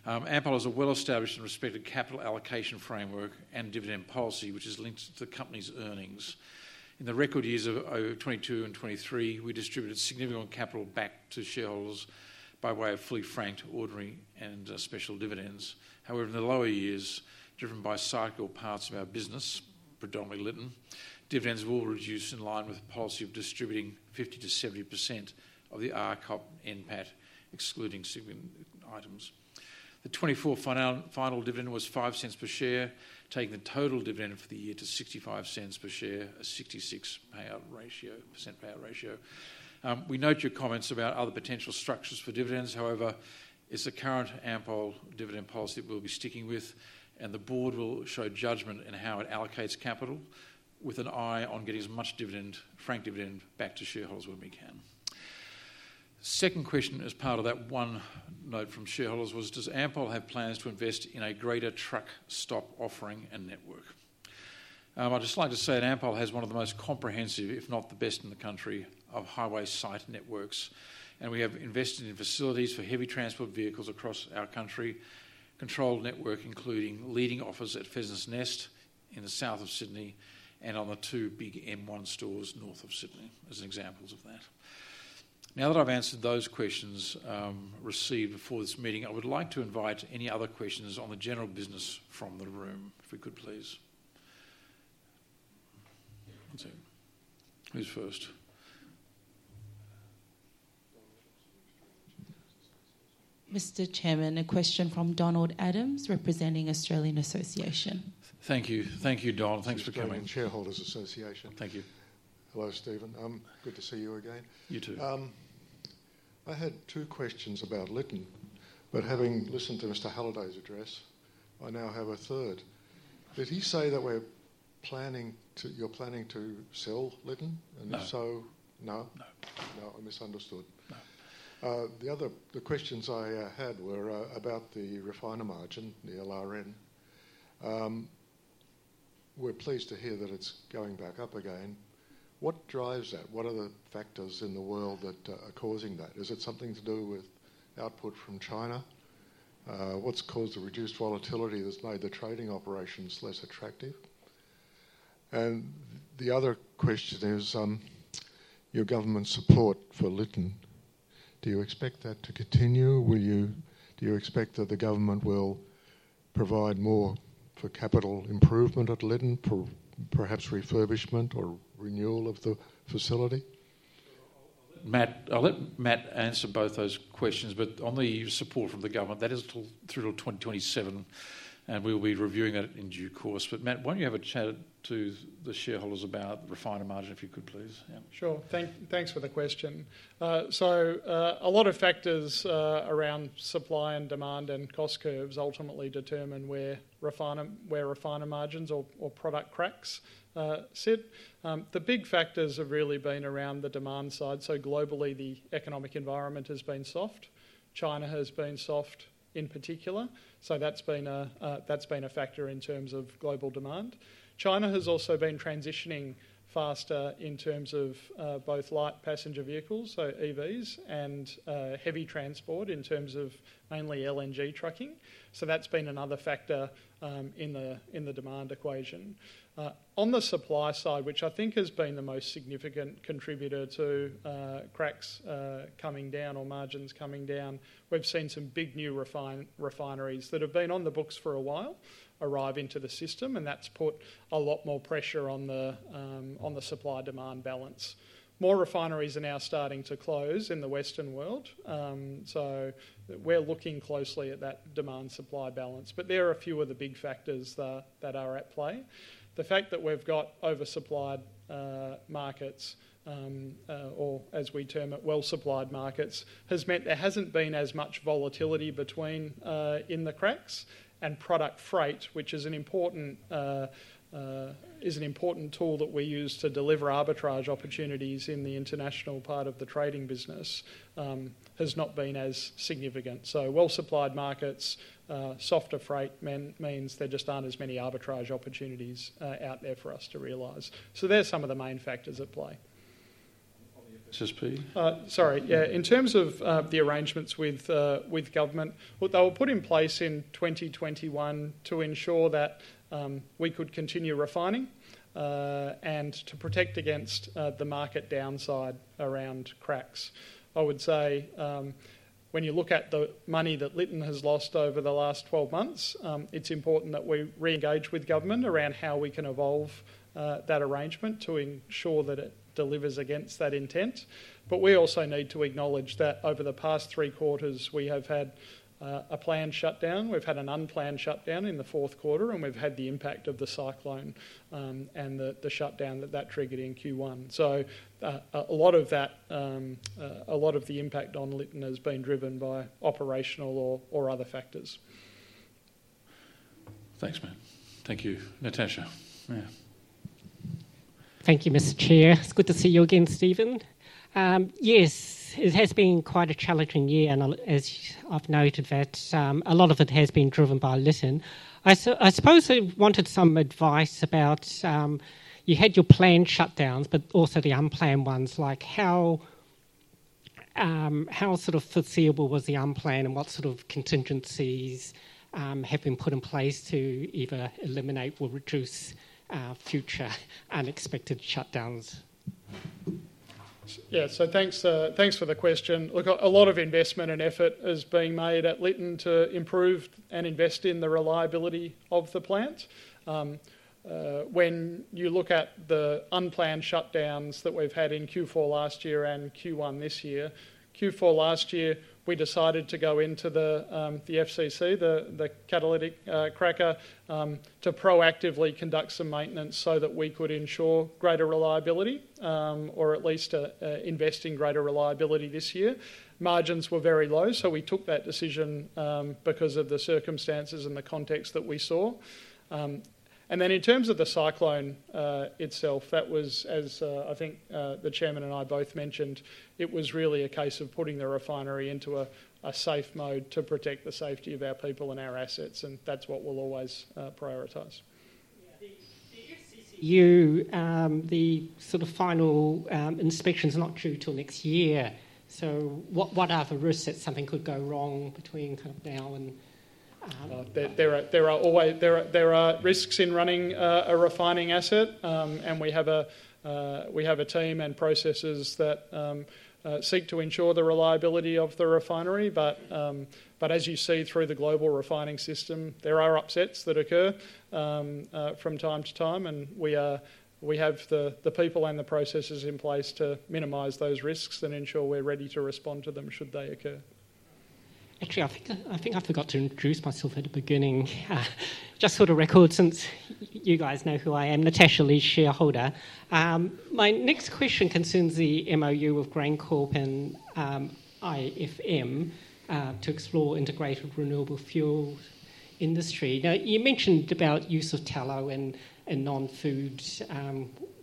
Ampol has a well-established and respected capital allocation framework and dividend policy, which is linked to the company's earnings. In the record years of 2022 and 2023, we distributed significant capital back to shareholders by way of fully franked ordinary and special dividends. However, in the lower years, driven by cyclical parts of our business, predominantly Lytton, dividends will reduce in line with policy of distributing 50-70% of the RCOP and PAT, excluding significant items. The 2024 final dividend was 0.05 per share, taking the total dividend for the year to 0.65 per share, a 66% payout ratio. We note your comments about other potential structures for dividends. However, it's the current Ampol dividend policy that we'll be sticking with, and the board will show judgment in how it allocates capital with an eye on getting as much franked dividend back to shareholders when we can. Second question as part of that one note from shareholders was, "Does Ampol have plans to invest in a greater truck stop offering and network?" I'd just like to say that Ampol has one of the most comprehensive, if not the best in the country, of highway site networks, and we have invested in facilities for heavy transport vehicles across our country, controlled network including leading offers at Fresno's Nest in the south of Sydney and on the two big M1 stores north of Sydney as examples of that. Now that I've answered those questions received before this meeting, I would like to invite any other questions on the general business from the room, if we could, please. Who's first? Mr. Chairman, a question from Donald Adams, representing Australian Shareholders Association. Thank you. Thank you, Donald. Thanks for coming. Shareholders Association. Thank you. Hello, Stephen. Good to see you again. You too. I had two questions about Lytton, but having listened to Mr. Halliday's address, I now have a third. Did he say that you're planning to sell Lytton? No. And if so, no? No. No. I misunderstood. No. The questions I had were about the refiner margin, the LRM. We're pleased to hear that it's going back up again. What drives that? What are the factors in the world that are causing that? Is it something to do with output from China? What's caused the reduced volatility that's made the trading operations less attractive? The other question is your government's support for Lytton. Do you expect that to continue? Do you expect that the government will provide more for capital improvement at Lytton, perhaps refurbishment or renewal of the facility? Matt, I'll let Matt answer both those questions, but on the support from the government, that is through to 2027, and we'll be reviewing that in due course. Matt, why don't you have a chat to the shareholders about the refiner margin, if you could, please? Sure. Thanks for the question. A lot of factors around supply and demand and cost curves ultimately determine where refiner margins or product cracks sit. The big factors have really been around the demand side. Globally, the economic environment has been soft. China has been soft in particular. That's been a factor in terms of global demand. China has also been transitioning faster in terms of both light passenger vehicles, so EVs, and heavy transport in terms of mainly LNG trucking. That's been another factor in the demand equation. On the supply side, which I think has been the most significant contributor to cracks coming down or margins coming down, we've seen some big new refineries that have been on the books for a while arrive into the system, and that's put a lot more pressure on the supply-demand balance. More refineries are now starting to close in the Western world. We're looking closely at that demand-supply balance. There are a few of the big factors that are at play. The fact that we've got oversupplied markets, or as we term it, well-supplied markets, has meant there hasn't been as much volatility in the cracks. And product freight, which is an important tool that we use to deliver arbitrage opportunities in the international part of the trading business, has not been as significant. Well-supplied markets, softer freight means there just aren't as many arbitrage opportunities out there for us to realize. There are some of the main factors at play. On the SSP? Sorry. Yeah. In terms of the arrangements with government, what they put in place in 2021 to ensure that we could continue refining and to protect against the market downside around cracks. I would say when you look at the money that Lytton has lost over the last 12 months, it's important that we re-engage with government around how we can evolve that arrangement to ensure that it delivers against that intent. We also need to acknowledge that over the past three quarters, we have had a planned shutdown. We've had an unplanned shutdown in the fourth quarter, and we've had the impact of the cyclone and the shutdown that that triggered in Q1. A lot of the impact on Lytton has been driven by operational or other factors. Thanks, Matt. Thank you. Natasha. Yeah. Thank you, Mr. Chair. It's good to see you again, Stephen. Yes, it has been quite a challenging year, and as I've noted, a lot of it has been driven by Lytton. I suppose I wanted some advice about you had your planned shutdowns, but also the unplanned ones. How sort of foreseeable was the unplanned, and what sort of contingencies have been put in place to either eliminate or reduce future unexpected shutdowns? Yeah. Thanks for the question. Look, a lot of investment and effort is being made at Lytton to improve and invest in the reliability of the plant. When you look at the unplanned shutdowns that we've had in Q4 last year and Q1 this year, Q4 last year, we decided to go into the FCC, the catalytic cracker, to proactively conduct some maintenance so that we could ensure greater reliability or at least invest in greater reliability this year. Margins were very low, so we took that decision because of the circumstances and the context that we saw. In terms of the cyclone itself, that was, as I think the Chairman and I both mentioned, it was really a case of putting the refinery into a safe mode to protect the safety of our people and our assets, and that is what we will always prioritize. The sort of final inspections are not due until next year. What are the risks that something could go wrong between now and then? There are risks in running a refining asset, and we have a team and processes that seek to ensure the reliability of the refinery. As you see through the global refining system, there are upsets that occur from time to time, and we have the people and the processes in place to minimize those risks and ensure we are ready to respond to them should they occur. Actually, I think I forgot to introduce myself at the beginning. Just for the record, since you guys know who I am, Natasha Lee's shareholder. My next question concerns the MoU of GrainCorp and IFM to explore integrated renewable fuel industry. Now, you mentioned about use of tallow and non-food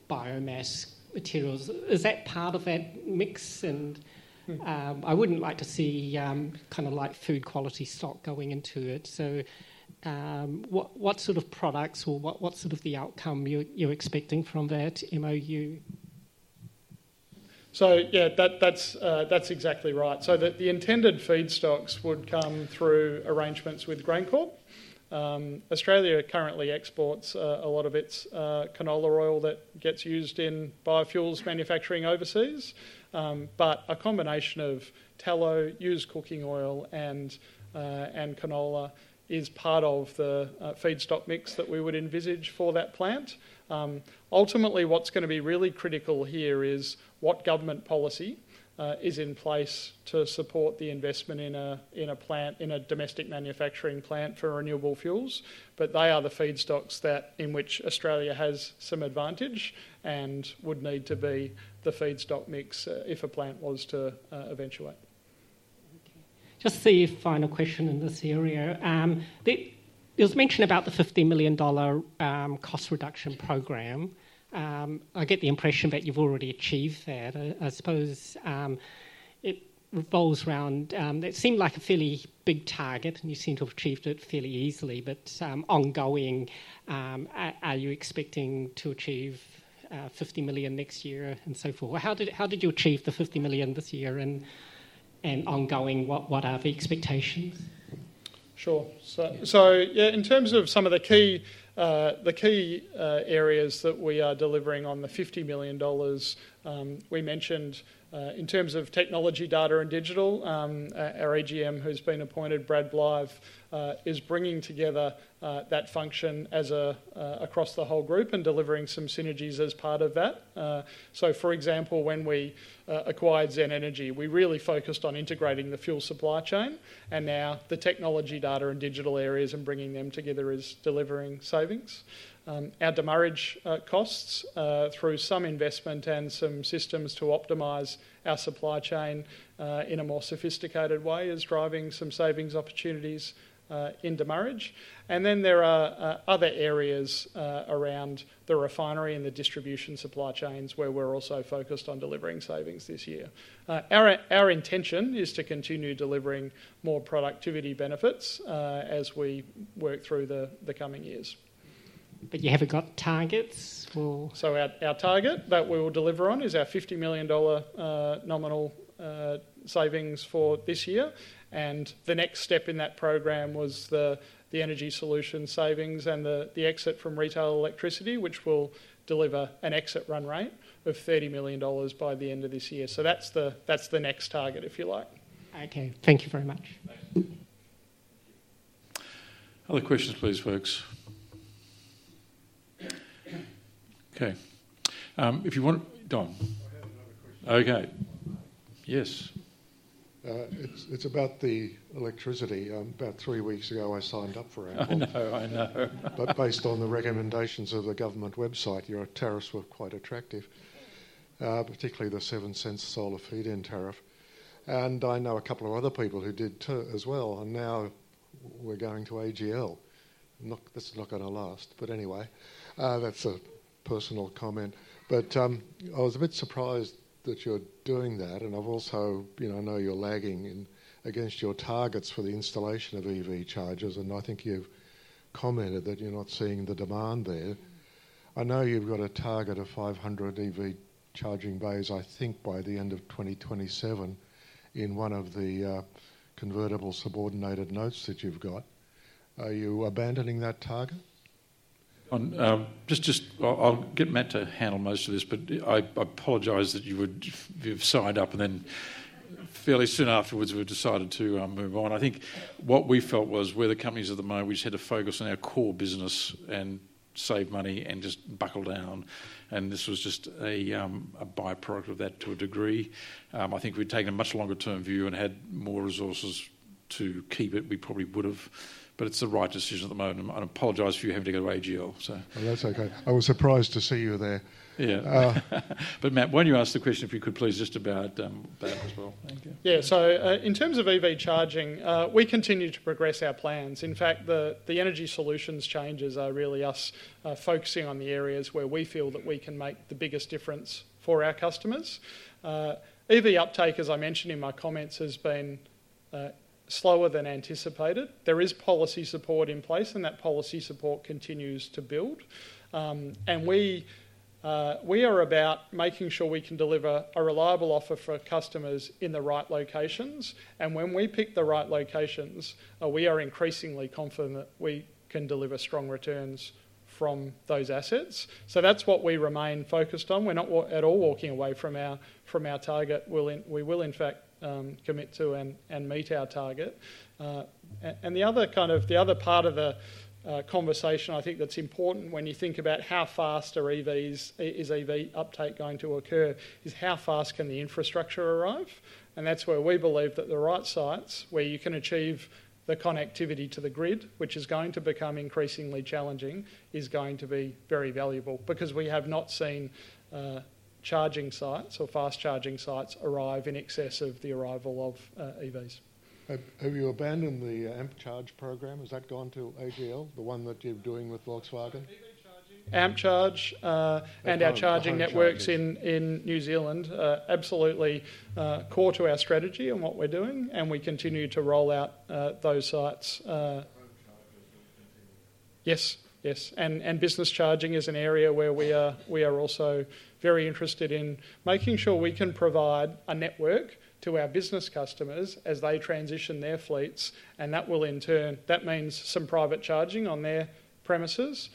biomass materials. Is that part of that mix? I wouldn't like to see kind of like food quality stock going into it. What sort of products or what sort of the outcome you're expecting from that MoU? Yeah, that's exactly right. The intended feed stocks would come through arrangements with GrainCorp. Australia currently exports a lot of its canola oil that gets used in biofuels manufacturing overseas. A combination of tallow, used cooking oil, and canola is part of the feed stock mix that we would envisage for that plant. Ultimately, what's going to be really critical here is what government policy is in place to support the investment in a domestic manufacturing plant for renewable fuels. They are the feed stocks in which Australia has some advantage and would need to be the feed stock mix if a plant was to eventually. Okay. Just a final question in this area. It was mentioned about the 50 million dollar cost reduction program. I get the impression that you've already achieved that. I suppose it revolves around it seemed like a fairly big target, and you seem to have achieved it fairly easily. Ongoing, are you expecting to achieve 50 million next year and so forth? How did you achieve the 50 million this year? Ongoing, what are the expectations? Sure. Yeah, in terms of some of the key areas that we are delivering on the 50 million dollars, we mentioned in terms of technology, data, and digital, our AGM, who's been appointed, Brad Blythe, is bringing together that function across the whole group and delivering some synergies as part of that. For example, when we acquired Z Energy, we really focused on integrating the fuel supply chain, and now the technology, data, and digital areas and bringing them together is delivering savings. Our demurrage costs through some investment and some systems to optimize our supply chain in a more sophisticated way is driving some savings opportunities in demurrage. There are other areas around the refinery and the distribution supply chains where we're also focused on delivering savings this year. Our intention is to continue delivering more productivity benefits as we work through the coming years. You have not got targets? Our target that we will deliver on is our 50 million dollar nominal savings for this year. The next step in that program was the energy solution savings and the exit from retail electricity, which will deliver an exit run rate of 30 million dollars by the end of this year. That is the next target, if you like. Okay. Thank you very much. Thank you. Other questions, please, folks. Okay. If you want to, Don? I have another question. Okay. Yes. It is about the electricity. About three weeks ago, I signed up for it. I know. I know. Based on the recommendations of the government website, your tariffs were quite attractive, particularly the 0.07 solar feed-in tariff. I know a couple of other people who did too as well. Now we are going to AGL. This is not going to last. Anyway, that's a personal comment. I was a bit surprised that you're doing that. I also know you're lagging against your targets for the installation of EV chargers, and I think you've commented that you're not seeing the demand there. I know you've got a target of 500 EV charging bays, I think by the end of 2027, in one of the convertible subordinated notes that you've got. Are you abandoning that target? I'll get Matt to handle most of this, but I apologize that you would have signed up and then fairly soon afterwards, we've decided to move on. I think what we felt was where the company is at the moment, we just had to focus on our core business and save money and just buckle down. This was just a byproduct of that to a degree. I think if we'd taken a much longer-term view and had more resources to keep it, we probably would have. It is the right decision at the moment. I apologize for you having to go to AGL. That's okay. I was surprised to see you there. Yeah. Matt, why don't you ask the question if you could, please, just about that as well? Thank you. Yeah. In terms of EV charging, we continue to progress our plans. In fact, the energy solutions changes are really us focusing on the areas where we feel that we can make the biggest difference for our customers. EV uptake, as I mentioned in my comments, has been slower than anticipated. There is policy support in place, and that policy support continues to build. We are about making sure we can deliver a reliable offer for customers in the right locations. When we pick the right locations, we are increasingly confident that we can deliver strong returns from those assets. That is what we remain focused on. We are not at all walking away from our target. We will, in fact, commit to and meet our target. The other part of the conversation I think that is important when you think about how fast EV uptake is going to occur is how fast the infrastructure can arrive. That is where we believe that the right sites, where you can achieve the connectivity to the grid, which is going to become increasingly challenging, are going to be very valuable because we have not seen charging sites or fast charging sites arrive in excess of the arrival of EVs. Have you abandoned the AMP charge program? Has that gone to AGL, the one that you are doing with Volkswagen? AMP charge and our charging networks in New Zealand, absolutely core to our strategy and what we're doing. We continue to roll out those sites. Yes. Yes. Business charging is an area where we are also very interested in making sure we can provide a network to our business customers as they transition their fleets. That will, in turn, that means some private charging on their premises.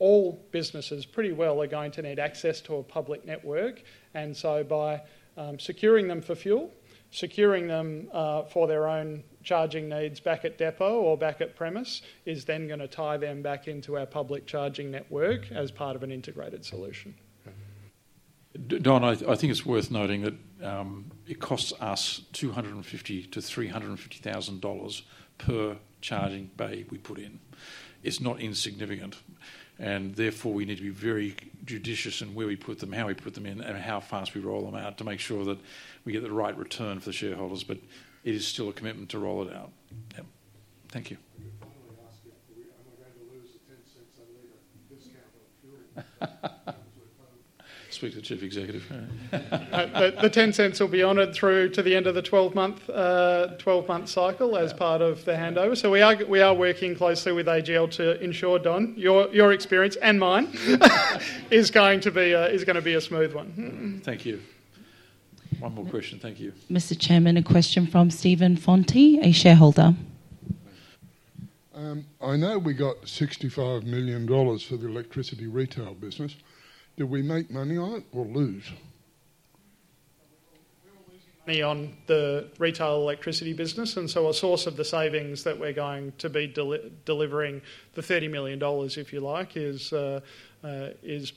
All businesses pretty well are going to need access to a public network. By securing them for fuel, securing them for their own charging needs back at depot or back at premise, that is then going to tie them back into our public charging network as part of an integrated solution. Don, I think it's worth noting that it costs us 250,000-350,000 dollars per charging bay we put in. It's not insignificant. Therefore, we need to be very judicious in where we put them, how we put them in, and how fast we roll them out to make sure that we get the right return for the shareholders. It is still a commitment to roll it out. Thank you. I'm afraid to lose the $0.10 I made a discount on fuel to a code. Speak to the Chief Executive. The $0.10 will be honored through to the end of the 12-month cycle as part of the handover. We are working closely with AGL to ensure, Don, your experience and mine is going to be a smooth one. Thank you. One more question. Thank you. Mr. Chairman, a question from Stephen Fonte, a shareholder. I know we got 65 million dollars for the electricity retail business. Did we make money on it or lose? We're all losing money on the retail electricity business. A source of the savings that we're going to be delivering, the AUD 30 million, if you like, is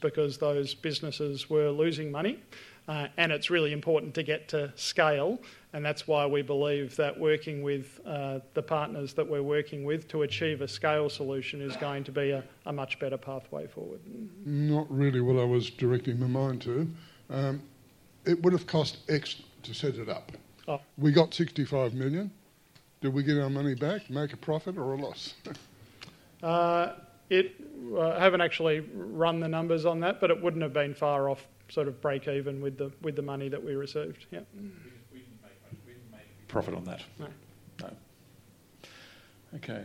because those businesses were losing money. It's really important to get to scale. That's why we believe that working with the partners that we're working with to achieve a scale solution is going to be a much better pathway forward. Not really what I was directing my mind to. It would have cost extra to set it up. We got 65 million. Did we get our money back? Make a profit or a loss? I haven't actually run the numbers on that, but it wouldn't have been far off sort of break even with the money that we received. Yeah. We didn't make profit on that. No. No. Okay.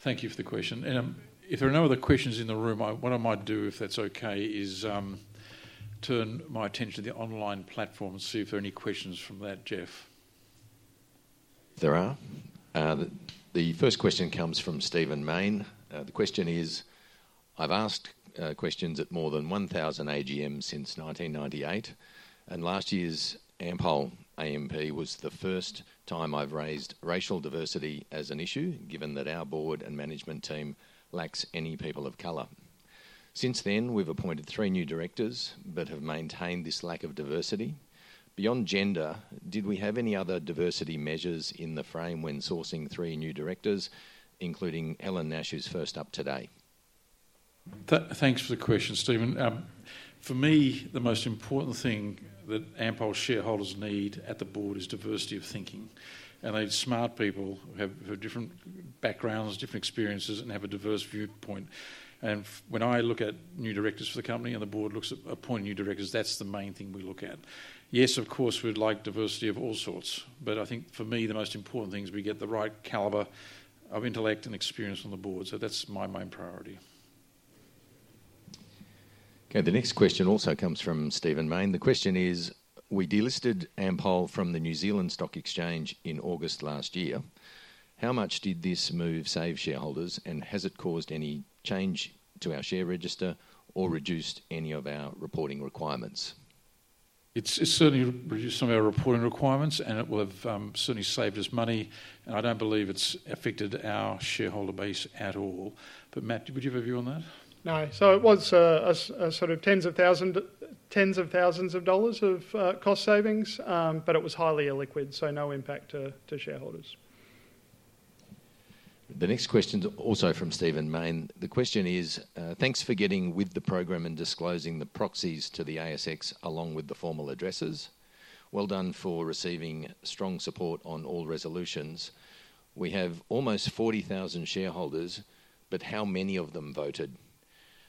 Thank you for the question. If there are no other questions in the room, what I might do, if that's okay, is turn my attention to the online platform and see if there are any questions from that, Jeff. There are. The first question comes from Stephen Mayne. The question is, I've asked questions at more than 1,000 AGM since 1998. And last year's Ampol AGM was the first time I've raised racial diversity as an issue, given that our board and management team lacks any people of color. Since then, we've appointed three new directors but have maintained this lack of diversity. Beyond gender, did we have any other diversity measures in the frame when sourcing three new directors, including Helen Nash, who's first up today? Thanks for the question, Stephen. For me, the most important thing that Ampol shareholders need at the board is diversity of thinking. They're smart people who have different backgrounds, different experiences, and have a diverse viewpoint. When I look at new directors for the company and the board looks at appointing new directors, that's the main thing we look at. Yes, of course, we'd like diversity of all sorts. I think for me, the most important thing is we get the right calibre of intellect and experience on the board. That's my main priority. Okay. The next question also comes from Stephen Mayne. The question is, we delisted Ampol from the New Zealand Stock Exchange in August last year. How much did this move save shareholders, and has it caused any change to our share register or reduced any of our reporting requirements? It's certainly reduced some of our reporting requirements, and it will have certainly saved us money. I do not believe it has affected our shareholder base at all. Matt, would you have a view on that? No. It was sort of tens of thousands of dollars of cost savings, but it was highly illiquid, so no impact to shareholders. The next question is also from Stephen Mayne. The question is, thanks for getting with the program and disclosing the proxies to the ASX along with the formal addresses. Well done for receiving strong support on all resolutions. We have almost 40,000 shareholders, but how many of them voted?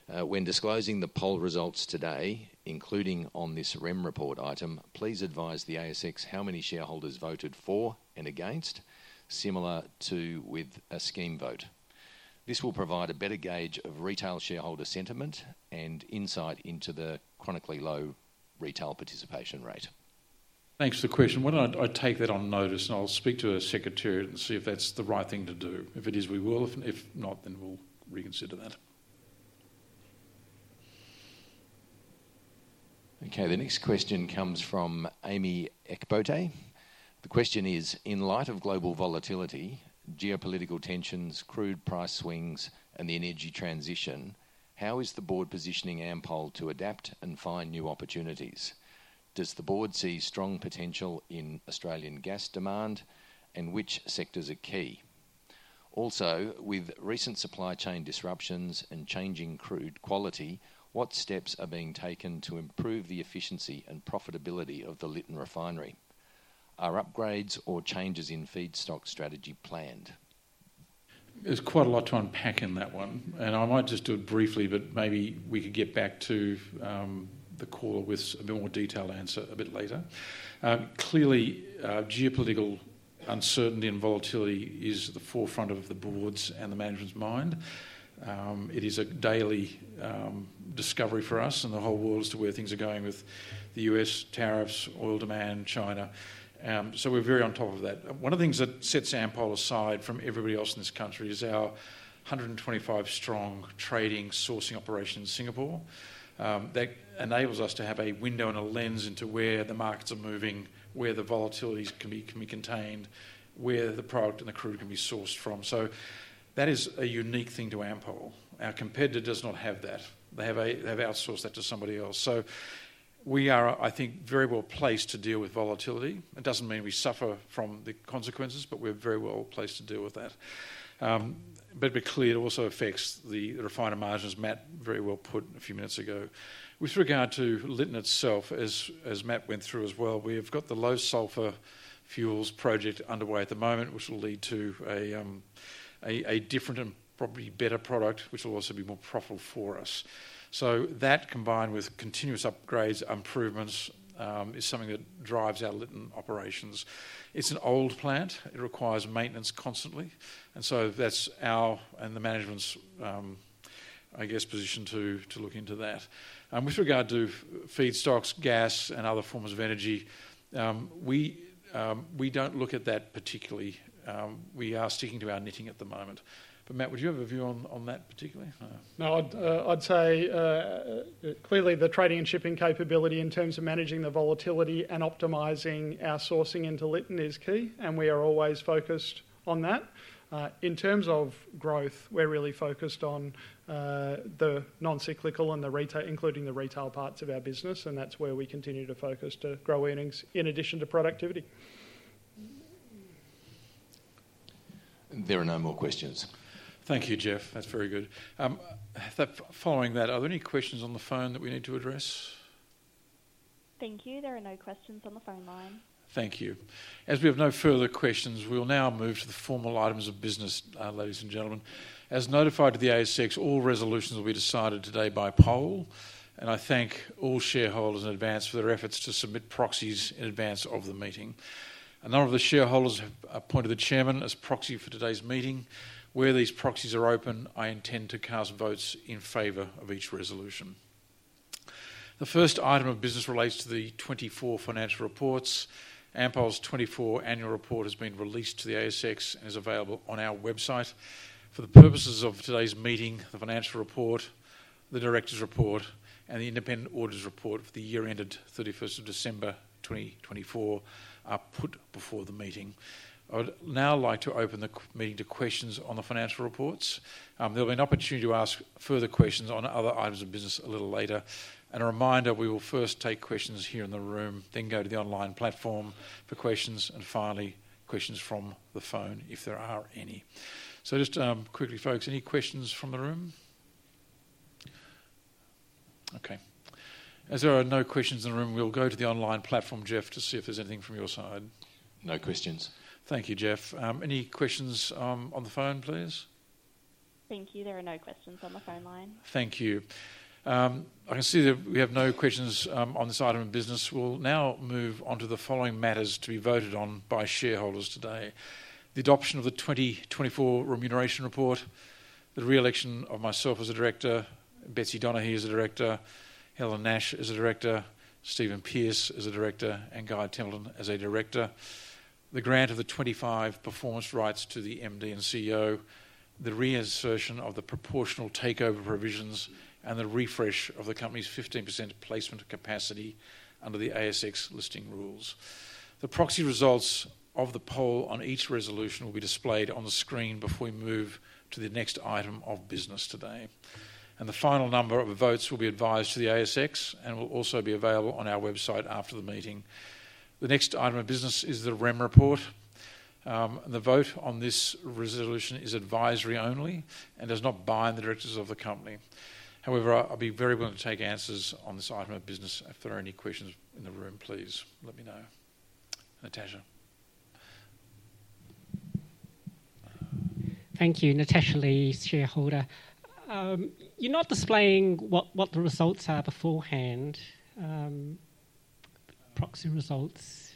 When disclosing the poll results today, including on this REM report item, please advise the ASX how many shareholders voted for and against, similar to with a scheme vote. This will provide a better gauge of retail shareholder sentiment and insight into the chronically low retail participation rate. Thanks for the question. I take that on notice, and I'll speak to a secretary and see if that's the right thing to do. If it is, we will. If not, then we'll reconsider that. Okay. The next question comes from Amy Eckbote. The question is, in light of global volatility, geopolitical tensions, crude price swings, and the energy transition, how is the board positioning Ampol to adapt and find new opportunities? Does the board see strong potential in Australian gas demand, and which sectors are key? Also, with recent supply chain disruptions and changing crude quality, what steps are being taken to improve the efficiency and profitability of the Lytton refinery? Are upgrades or changes in feedstock strategy planned? There's quite a lot to unpack in that one. I might just do it briefly, but maybe we could get back to the caller with a bit more detailed answer a bit later. Clearly, geopolitical uncertainty and volatility is at the forefront of the board's and the management's mind. It is a daily discovery for us and the whole world as to where things are going with the US tariffs, oil demand, China. We are very on top of that. One of the things that sets Ampol aside from everybody else in this country is our 125-strong trading sourcing operation in Singapore. That enables us to have a window and a lens into where the markets are moving, where the volatilities can be contained, where the product and the crude can be sourced from. That is a unique thing to Ampol. Our competitor does not have that. They have outsourced that to somebody else. We are, I think, very well placed to deal with volatility. It does not mean we suffer from the consequences, but we are very well placed to deal with that. It clearly also affects the refinery margins, Matt very well put a few minutes ago. With regard to Lytton itself, as Matt went through as well, we have got the low sulfur fuels project underway at the moment, which will lead to a different and probably better product, which will also be more profitable for us. That, combined with continuous upgrades, improvements, is something that drives our Lytton operations. It is an old plant. It requires maintenance constantly. That is our and the management's, I guess, position to look into that. With regard to feedstocks, gas, and other forms of energy, we do not look at that particularly. We are sticking to our knitting at the moment. Matt, would you have a view on that particularly? No. I'd say clearly the trading and shipping capability in terms of managing the volatility and optimizing our sourcing into Lytton is key. We are always focused on that. In terms of growth, we're really focused on the non-cyclical and the retail, including the retail parts of our business. That's where we continue to focus to grow earnings in addition to productivity. There are no more questions. Thank you, Jeff. That's very good. Following that, are there any questions on the phone that we need to address? Thank you. There are no questions on the phone line. Thank you. As we have no further questions, we'll now move to the formal items of business, ladies and gentlemen. As notified to the ASX, all resolutions will be decided today by poll. I thank all shareholders in advance for their efforts to submit proxies in advance of the meeting. A number of the shareholders have appointed the Chairman as proxy for today's meeting. Where these proxies are open, I intend to cast votes in favor of each resolution. The first item of business relates to the 2024 financial reports. Ampol's 2024 annual report has been released to the ASX and is available on our website. For the purposes of today's meeting, the financial report, the Directors' report, and the independent auditor's report for the year ended 31st of December 2024 are put before the meeting. I would now like to open the meeting to questions on the financial reports. There will be an opportunity to ask further questions on other items of business a little later. A reminder, we will first take questions here in the room, then go to the online platform for questions, and finally, questions from the phone if there are any. Just quickly, folks, any questions from the room? Okay. As there are no questions in the room, we'll go to the online platform, Jeff, to see if there's anything from your side. No questions. Thank you, Jeff. Any questions on the phone, please? Thank you. There are no questions on the phone line. Thank you. I can see that we have no questions on this item of business. We'll now move on to the following matters to be voted on by shareholders today: the adoption of the 2024 remuneration report, the re-election of myself as a director, Betsy Donohue as a director, Helen Nash as a director, Stephen Pearce as a director, and Guy Templeton as a director, the grant of the 25 performance rights to the MD and CEO, the reinsertion of the proportional takeover provisions, and the refresh of the company's 15% placement capacity under the ASX listing rules. The proxy results of the poll on each resolution will be displayed on the screen before we move to the next item of business today. The final number of votes will be advised to the ASX and will also be available on our website after the meeting. The next item of business is the REM report. The vote on this resolution is advisory only and does not bind the directors of the company. However, I'll be very willing to take answers on this item of business. If there are any questions in the room, please let me know. Natasha. Thank you. Natasha Lee, shareholder. You're not displaying what the results are beforehand. Proxy results.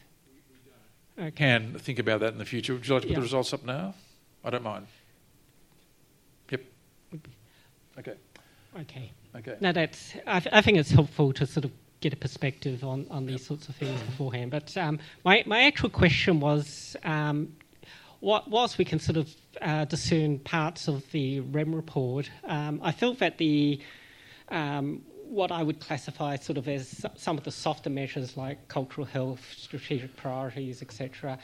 We don't. Can think about that in the future. Would you like to put the results up now? I don't mind. Okay. Now, I think it's helpful to sort of get a perspective on these sorts of things beforehand. My actual question was, whilst we can sort of discern parts of the REM report, I felt that what I would classify sort of as some of the softer measures, like cultural health, strategic priorities, etc.,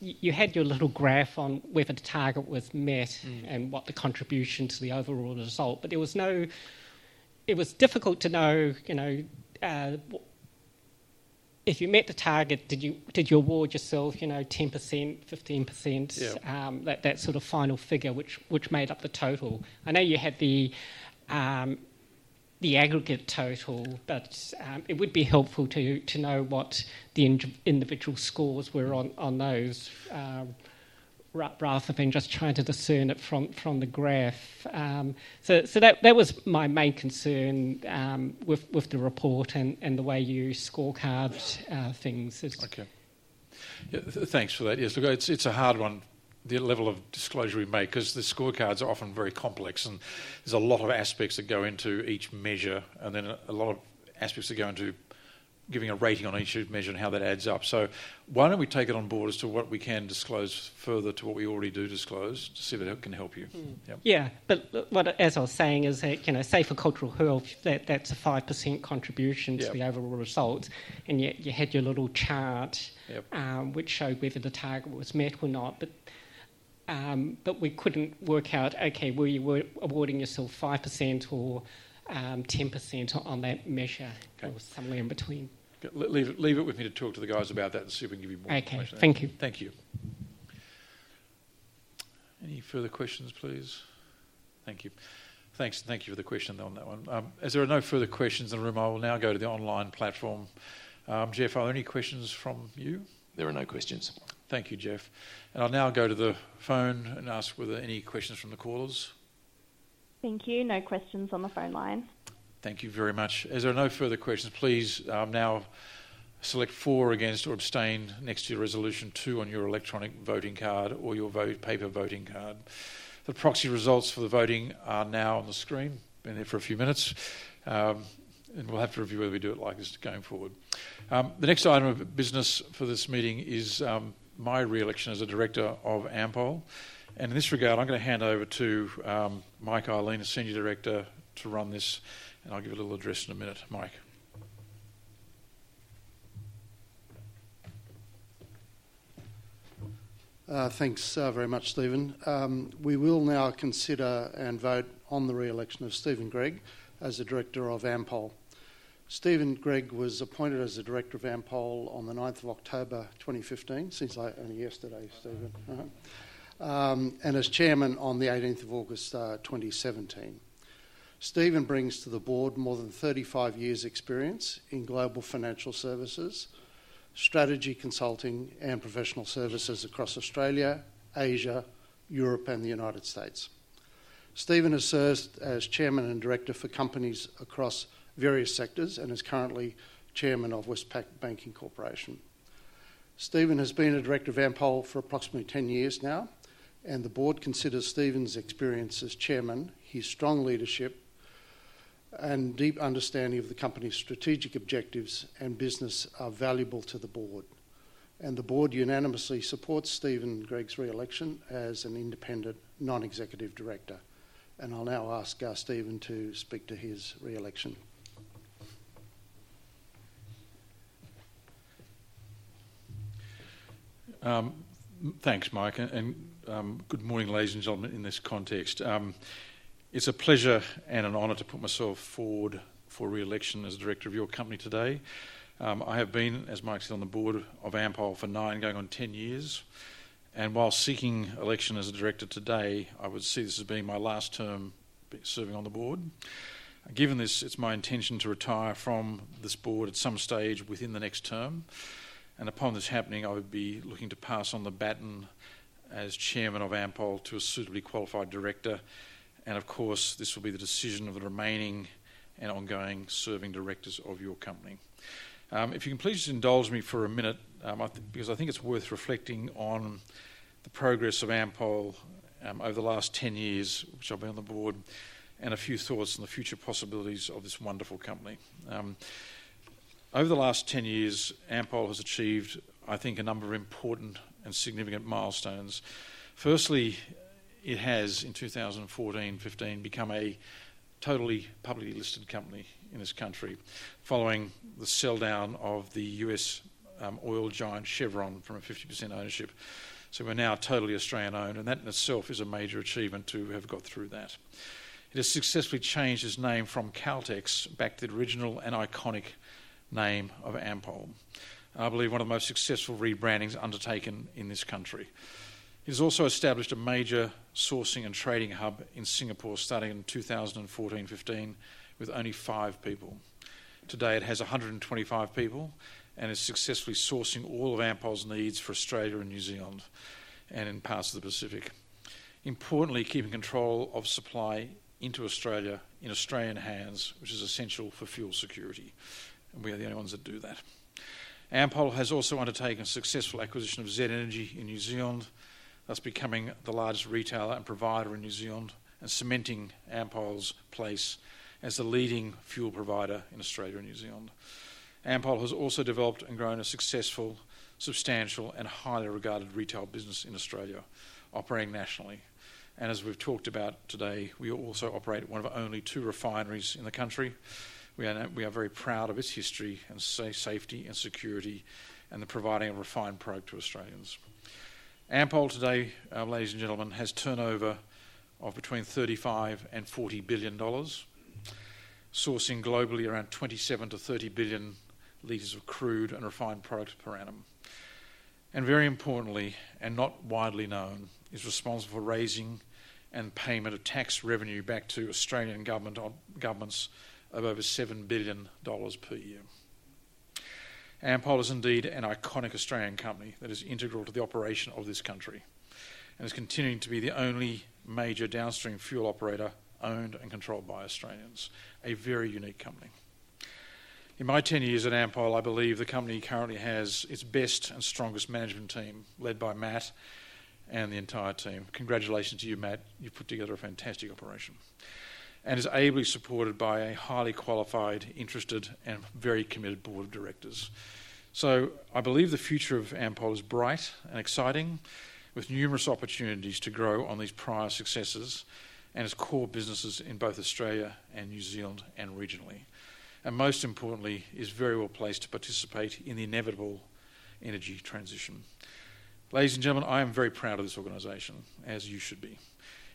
you had your little graph on whether the target was met and what the contribution to the overall result was. It was difficult to know if you met the target, did you award yourself 10%, 15%, that sort of final figure which made up the total. I know you had the aggregate total, but it would be helpful to know what the individual scores were on those rather than just trying to discern it from the graph. That was my main concern with the report and the way you scorecard things. Okay. Yeah. Thanks for that. Yes. Look, it's a hard one, the level of disclosure we make, because the scorecards are often very complex. And there's a lot of aspects that go into each measure, and then a lot of aspects that go into giving a rating on each measure and how that adds up. So why don't we take it on board as to what we can disclose further to what we already do disclose to see if it can help you? Yeah. But what I was saying is, say, for cultural health, that's a 5% contribution to the overall result. And yet you had your little chart which showed whether the target was met or not. But we couldn't work out, okay, were you awarding yourself 5% or 10% on that measure or somewhere in between? Leave it with me to talk to the guys about that and see if we can give you more information. Okay. Thank you. Thank you. Any further questions, please? Thank you. Thanks. And thank you for the question on that one. As there are no further questions in the room, I will now go to the online platform. Jeff, are there any questions from you? There are no questions. Thank you, Jeff. I will now go to the phone and ask whether any questions from the callers. Thank you. No questions on the phone line. Thank you very much. As there are no further questions, please now select for, against, or abstain next to your resolution two on your electronic voting card or your paper voting card. The proxy results for the voting are now on the screen. Been here for a few minutes. We'll have to review whether we do it like this going forward. The next item of business for this meeting is my re-election as a director of Ampol. In this regard, I'm going to hand over to Mike Ihlein, the senior director, to run this. I'll give you a little address in a minute. Mike. Thanks very much, Stephen. We will now consider and vote on the re-election of Stephen Gregg as a director of Ampol. Stephen Gregg was appointed as a director of Ampol on the 9th of October 2015. Seems like only yesterday, Stephen. As chairman on the 18th of August 2017. Stephen brings to the board more than 35 years' experience in global financial services, strategy consulting, and professional services across Australia, Asia, Europe, and the United States. Stephen has served as Chairman and director for companies across various sectors and is currently Chairman of Westpac Banking Corporation. Stephen has been a director of Ampol for approximately 10 years now. The board considers Stephen's experience as Chairman, his strong leadership, and deep understanding of the company's strategic objectives and business are valuable to the board. The board unanimously supports Stephen Gregg's re-election as an independent non-executive director. I'll now ask Stephen to speak to his re-election. Thanks, Mike. Good morning, ladies and gentlemen, in this context. It's a pleasure and an honor to put myself forward for re-election as director of your company today. I have been, as Mike said, on the board of Ampol for nine going on 10 years. While seeking election as a director today, I would see this as being my last term serving on the board. Given this, it's my intention to retire from this board at some stage within the next term. Upon this happening, I would be looking to pass on the baton as Chairman of Ampol to a suitably qualified director. Of course, this will be the decision of the remaining and ongoing serving directors of your company. If you can please indulge me for a minute, because I think it's worth reflecting on the progress of Ampol over the last 10 years, which I've been on the board, and a few thoughts on the future possibilities of this wonderful company. Over the last 10 years, Ampol has achieved, I think, a number of important and significant milestones. Firstly, it has, in 2014-2015, become a totally publicly listed company in this country following the sell-down of the US oil giant Chevron from a 50% ownership. We are now totally Australian-owned. That in itself is a major achievement to have got through that. It has successfully changed its name from Caltex back to the original and iconic name of Ampol. I believe one of the most successful rebrandings undertaken in this country. It has also established a major sourcing and trading hub in Singapore starting in 2014-2015 with only five people. Today, it has 125 people and is successfully sourcing all of Ampol's needs for Australia and New Zealand and in parts of the Pacific. Importantly, keeping control of supply into Australia in Australian hands, which is essential for fuel security. We are the only ones that do that. Ampol has also undertaken a successful acquisition of Z Energy in New Zealand, thus becoming the largest retailer and provider in New Zealand and cementing Ampol's place as the leading fuel provider in Australia and New Zealand. Ampol has also developed and grown a successful, substantial, and highly regarded retail business in Australia, operating nationally. As we have talked about today, we also operate one of only two refineries in the country. We are very proud of its history and safety and security and the providing of refined product to Australians. Ampol today, ladies and gentlemen, has turnover of between 35 billion and 40 billion dollars, sourcing globally around 27-30 billion liters of crude and refined product per annum. Very importantly, and not widely known, is responsible for raising and payment of tax revenue back to Australian governments of over 7 billion dollars per year. Ampol is indeed an iconic Australian company that is integral to the operation of this country and is continuing to be the only major downstream fuel operator owned and controlled by Australians. A very unique company. In my 10 years at Ampol, I believe the company currently has its best and strongest management team led by Matt and the entire team. Congratulations to you, Matt. You've put together a fantastic operation. It is ably supported by a highly qualified, interested, and very committed board of directors. I believe the future of Ampol is bright and exciting, with numerous opportunities to grow on these prior successes and its core businesses in both Australia and New Zealand and regionally. Most importantly, it is very well placed to participate in the inevitable energy transition. Ladies and gentlemen, I am very proud of this organization, as you should be.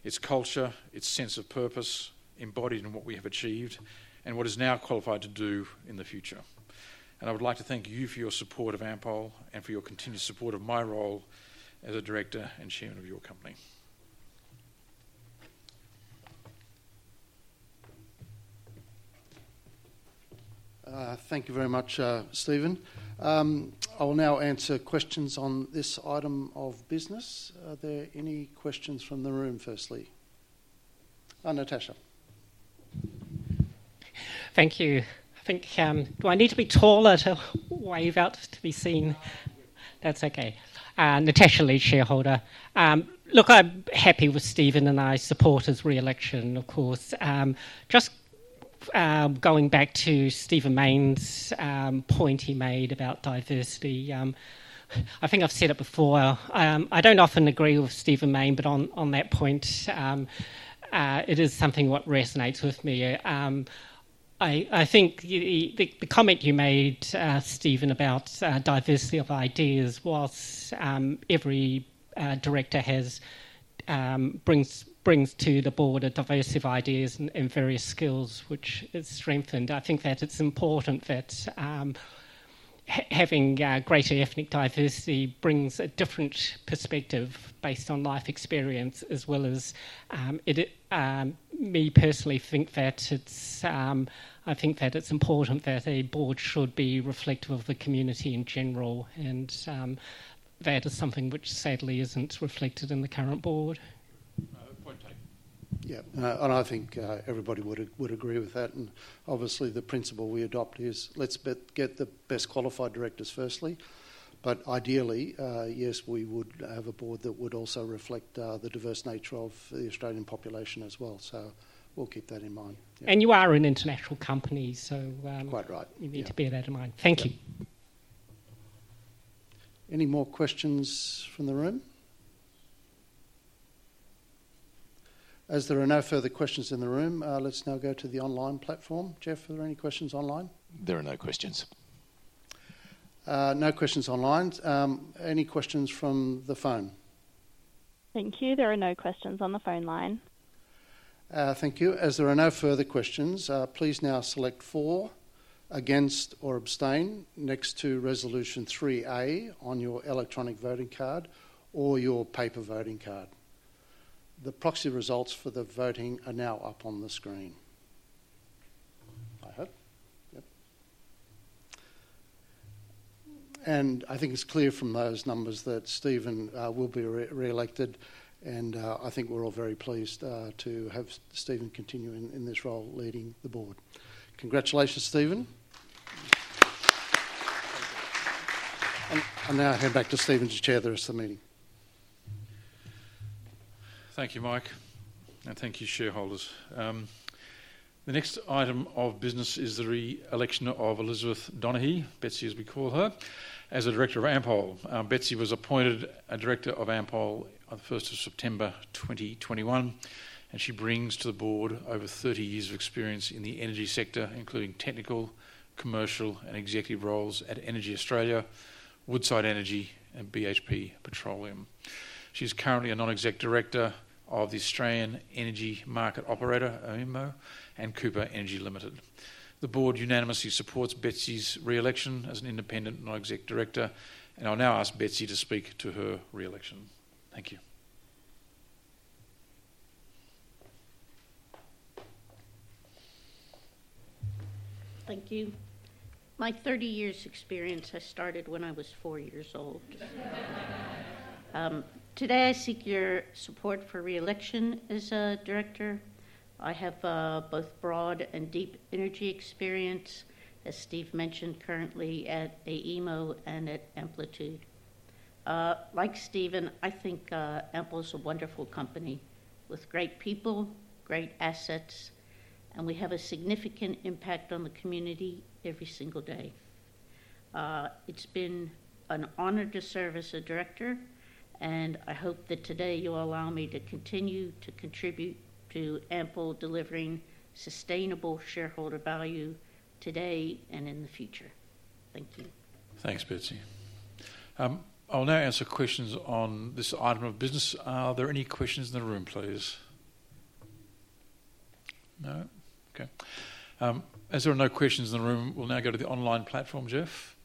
Its culture, its sense of purpose, embodied in what we have achieved and what it is now qualified to do in the future. I would like to thank you for your support of Ampol and for your continued support of my role as a director and chairman of your company. Thank you very much, Stephen. I will now answer questions on this item of business. Are there any questions from the room, firstly? Natasha. Thank you. I think do I need to be taller to wave out to be seen? That's okay. Natasha Lee, shareholder. Look, I'm happy with Stephen, and I support his re-election, of course. Just going back to Stephen Mayne's point he made about diversity, I think I've said it before. I don't often agree with Stephen Mayne, but on that point, it is something that resonates with me. I think the comment you made, Stephen, about diversity of ideas, whilst every director brings to the board diverse ideas and various skills, which is strengthened, I think that it's important that having greater ethnic diversity brings a different perspective based on life experience as well as me personally think that it's important that a board should be reflective of the community in general. That is something which, sadly, isn't reflected in the current board. Point taken. Yeah. I think everybody would agree with that. Obviously, the principle we adopt is let's get the best qualified directors firstly. Ideally, yes, we would have a board that would also reflect the diverse nature of the Australian population as well. We'll keep that in mind. You are an international company, so. Quite right. You need to bear that in mind. Thank you. Any more questions from the room? As there are no further questions in the room, let's now go to the online platform. Jeff, are there any questions online? There are no questions. No questions online. Any questions from the phone? Thank you. There are no questions on the phone line. Thank you. As there are no further questions, please now select for, against, or abstain next to resolution 3A on your electronic voting card or your paper voting card. The proxy results for the voting are now up on the screen. I hope. Yep. I think it's clear from those numbers that Stephen will be re-elected. I think we're all very pleased to have Stephen continue in this role leading the board. Congratulations, Stephen. I'll now hand back to Stephen to chair the rest of the meeting. Thank you, Mike. Thank you, shareholders. The next item of business is the re-election of Elizabeth Donohue, Betsy as we call her, as a director of Ampol. Betsy was appointed a director of Ampol on the 1st of September 2021. She brings to the board over 30 years of experience in the energy sector, including technical, commercial, and executive roles at EnergyAustralia, Woodside Energy, and BHP Petroleum. She is currently a non-exec director of the Australian Energy Market Operator, AEMO, and Cooper Energy Limited. The board unanimously supports Betsy's re-election as an independent non-exec director. I'll now ask Betsy to speak to her re-election. Thank you. Thank you. My 30 years' experience has started when I was four years old. Today, I seek your support for re-election as a director. I have both broad and deep energy experience, as Steve mentioned, currently at AEMO and at Ampol. Like Stephen, I think Ampol is a wonderful company with great people, great assets, and we have a significant impact on the community every single day. It's been an honor to serve as a director. I hope that today you'll allow me to continue to contribute to Ampol delivering sustainable shareholder value today and in the future. Thank you. Thanks, Betsy. I'll now answer questions on this item of business. Are there any questions in the room, please? No? Okay. As there are no questions in the room, we'll now go to the online platform, Jeff.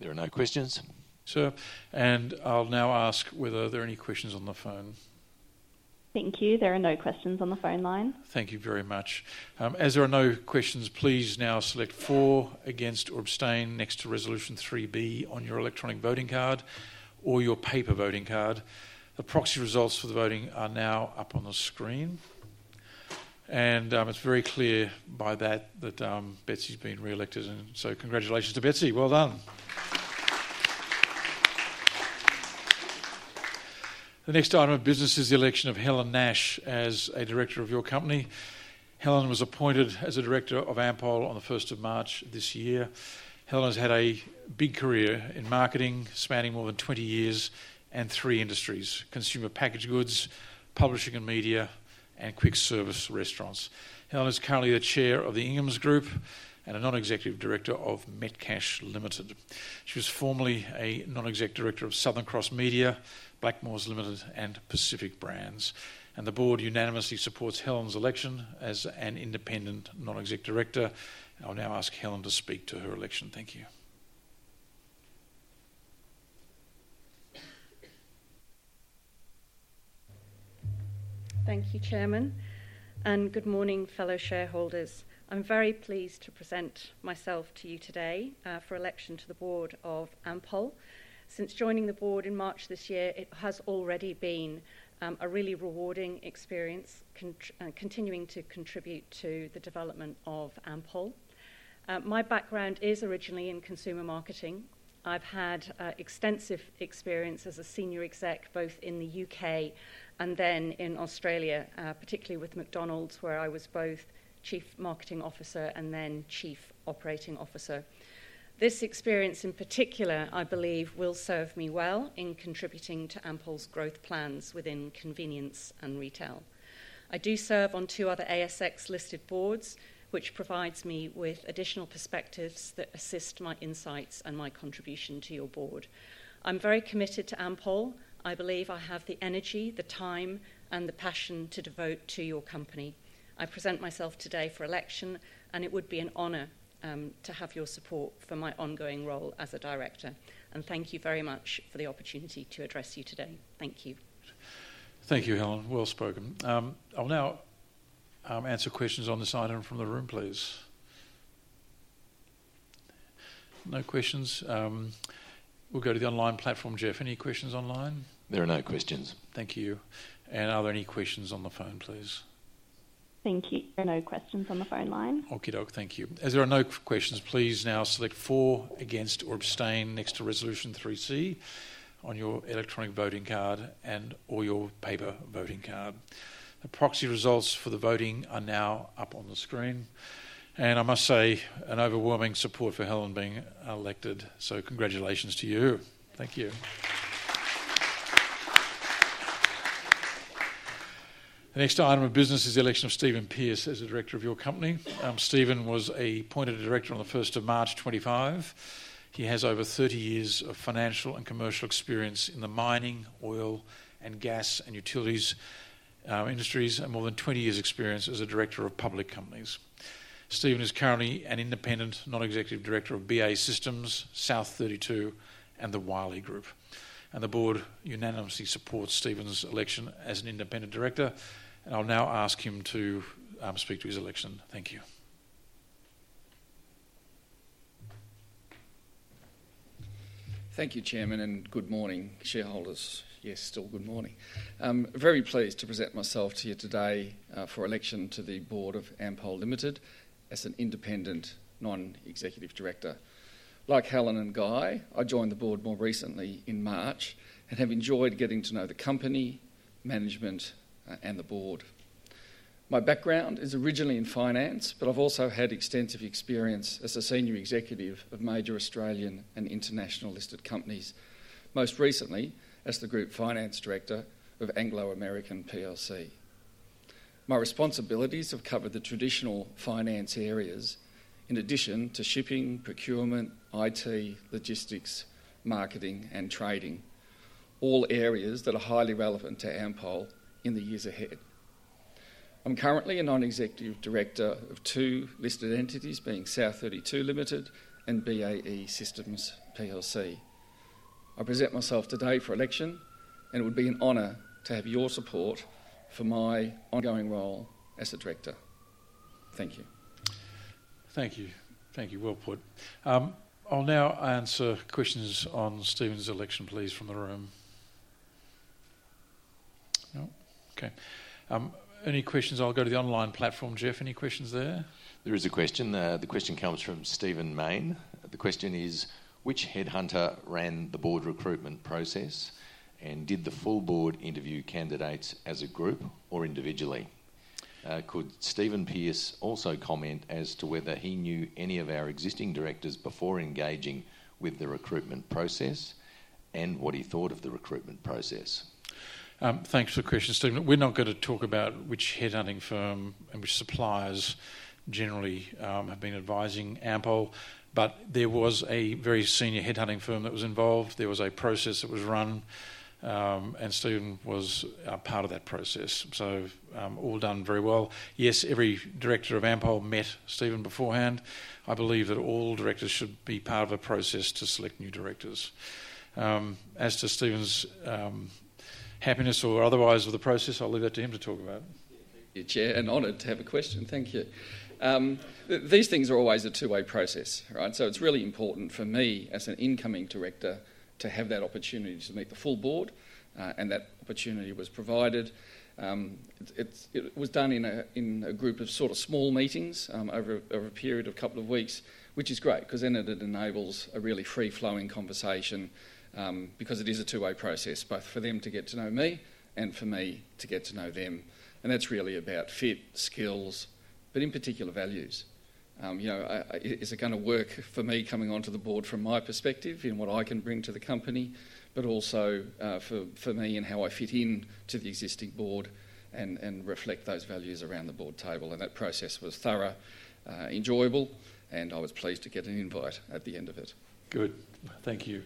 There are no questions, sir. I'll now ask whether there are any questions on the phone. Thank you. There are no questions on the phone line. Thank you very much. As there are no questions, please now select for, against, or abstain next to resolution 3B on your electronic voting card or your paper voting card. The proxy results for the voting are now up on the screen. It is very clear by that that Betsy's been re-elected. Congratulations to Betsy. Well done. The next item of business is the election of Helen Nash as a director of your company. Helen was appointed as a director of Ampol on the 1st of March this year. Helen has had a big career in marketing spanning more than 20 years and three industries: consumer packaged goods, publishing and media, and quick service restaurants. Helen is currently the chair of the Inghams Group and a non-executive director of Metcash Limited. She was formerly a non-executive director of Southern Cross Media, Blackmores Limited, and Pacific Brands. The board unanimously supports Helen's election as an independent non-executive director. I'll now ask Helen to speak to her election. Thank you. Thank you, Chairman. Good morning, fellow shareholders. I'm very pleased to present myself to you today for election to the board of Ampol. Since joining the board in March this year, it has already been a really rewarding experience continuing to contribute to the development of Ampol. My background is originally in consumer marketing. I've had extensive experience as a senior executive, both in the U.K. and then in Australia, particularly with McDonald's, where I was both Chief Marketing Officer and then Chief Operating Officer. This experience, in particular, I believe, will serve me well in contributing to Ampol's growth plans within convenience and retail. I do serve on two other ASX-listed boards, which provides me with additional perspectives that assist my insights and my contribution to your board. I'm very committed to Ampol. I believe I have the energy, the time, and the passion to devote to your company. I present myself today for election, and it would be an honor to have your support for my ongoing role as a director. Thank you very much for the opportunity to address you today. Thank you. Thank you, Helen. Well spoken. I'll now answer questions on this item from the room, please. No questions. We'll go to the online platform, Jeff. Any questions online? There are no questions. Thank you. Are there any questions on the phone, please? Thank you. There are no questions on the phone line. Okey doke. Thank you. As there are no questions, please now select for, against, or abstain next to resolution 3C on your electronic voting card and/or your paper voting card. The proxy results for the voting are now up on the screen. I must say an overwhelming support for Helen being elected. Congratulations to you. Thank you. The next item of business is the election of Stephen Pearce as a director of your company. Stephen was appointed a director on the 1st of March 2025. He has over 30 years of financial and commercial experience in the mining, oil, and gas and utilities industries, and more than 20 years' experience as a director of public companies. Stephen is currently an independent non-executive director of BAE Systems, South32, and the Wiley Group. The board unanimously supports Stephen's election as an independent director. I'll now ask him to speak to his election. Thank you. Thank you, Chairman, and good morning, shareholders. Yes, still good morning. Very pleased to present myself to you today for election to the board of Ampol Limited as an independent non-executive director. Like Helen and Guy, I joined the board more recently in March and have enjoyed getting to know the company, management, and the board. My background is originally in finance, but I've also had extensive experience as a senior executive of major Australian and international-listed companies, most recently as the group finance director of Anglo American PLC. My responsibilities have covered the traditional finance areas in addition to shipping, procurement, IT, logistics, marketing, and trading, all areas that are highly relevant to Ampol in the years ahead. I'm currently a non-executive director of two listed entities, being South32 Limited and BAE Systems PLC. I present myself today for election, and it would be an honor to have your support for my ongoing role as a director. Thank you. Thank you. Thank you. Well put. I'll now answer questions on Stephen's election, please, from the room. No? Okay. Any questions? I'll go to the online platform, Jeff. Any questions there? There is a question. The question comes from Stephen Mayne. The question is, which headhunter ran the board recruitment process, and did the full board interview candidates as a group or individually? Could Stephen Pearce also comment as to whether he knew any of our existing directors before engaging with the recruitment process and what he thought of the recruitment process? Thanks for the question, Stephen. We're not going to talk about which headhunting firm and which suppliers generally have been advising Ampol, but there was a very senior headhunting firm that was involved. There was a process that was run, and Stephen was part of that process. So all done very well. Yes, every director of Ampol met Stephen beforehand. I believe that all directors should be part of a process to select new directors. As to Stephen's happiness or otherwise with the process, I'll leave that to him to talk about. Thank you, Chair. An honor to have a question. Thank you. These things are always a two-way process, right? It is really important for me as an incoming director to have that opportunity to meet the full board, and that opportunity was provided. It was done in a group of sort of small meetings over a period of a couple of weeks, which is great because then it enables a really free-flowing conversation because it is a two-way process, both for them to get to know me and for me to get to know them. That is really about fit, skills, but in particular, values. Is it going to work for me coming onto the board from my perspective in what I can bring to the company, but also for me in how I fit in to the existing board and reflect those values around the board table? That process was thorough, enjoyable, and I was pleased to get an invite at the end of it. Good. Thank you.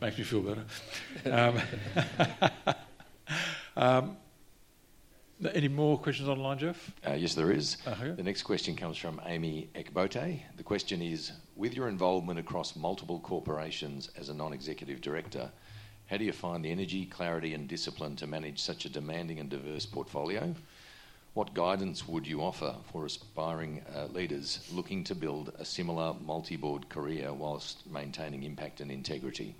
Makes me feel better. Any more questions online, Jeff? Yes, there is. The next question comes from Amy Ecbote. The question is, with your involvement across multiple corporations as a non-executive director, how do you find the energy, clarity, and discipline to manage such a demanding and diverse portfolio? What guidance would you offer for aspiring leaders looking to build a similar multi-board career whilst maintaining impact and integrity?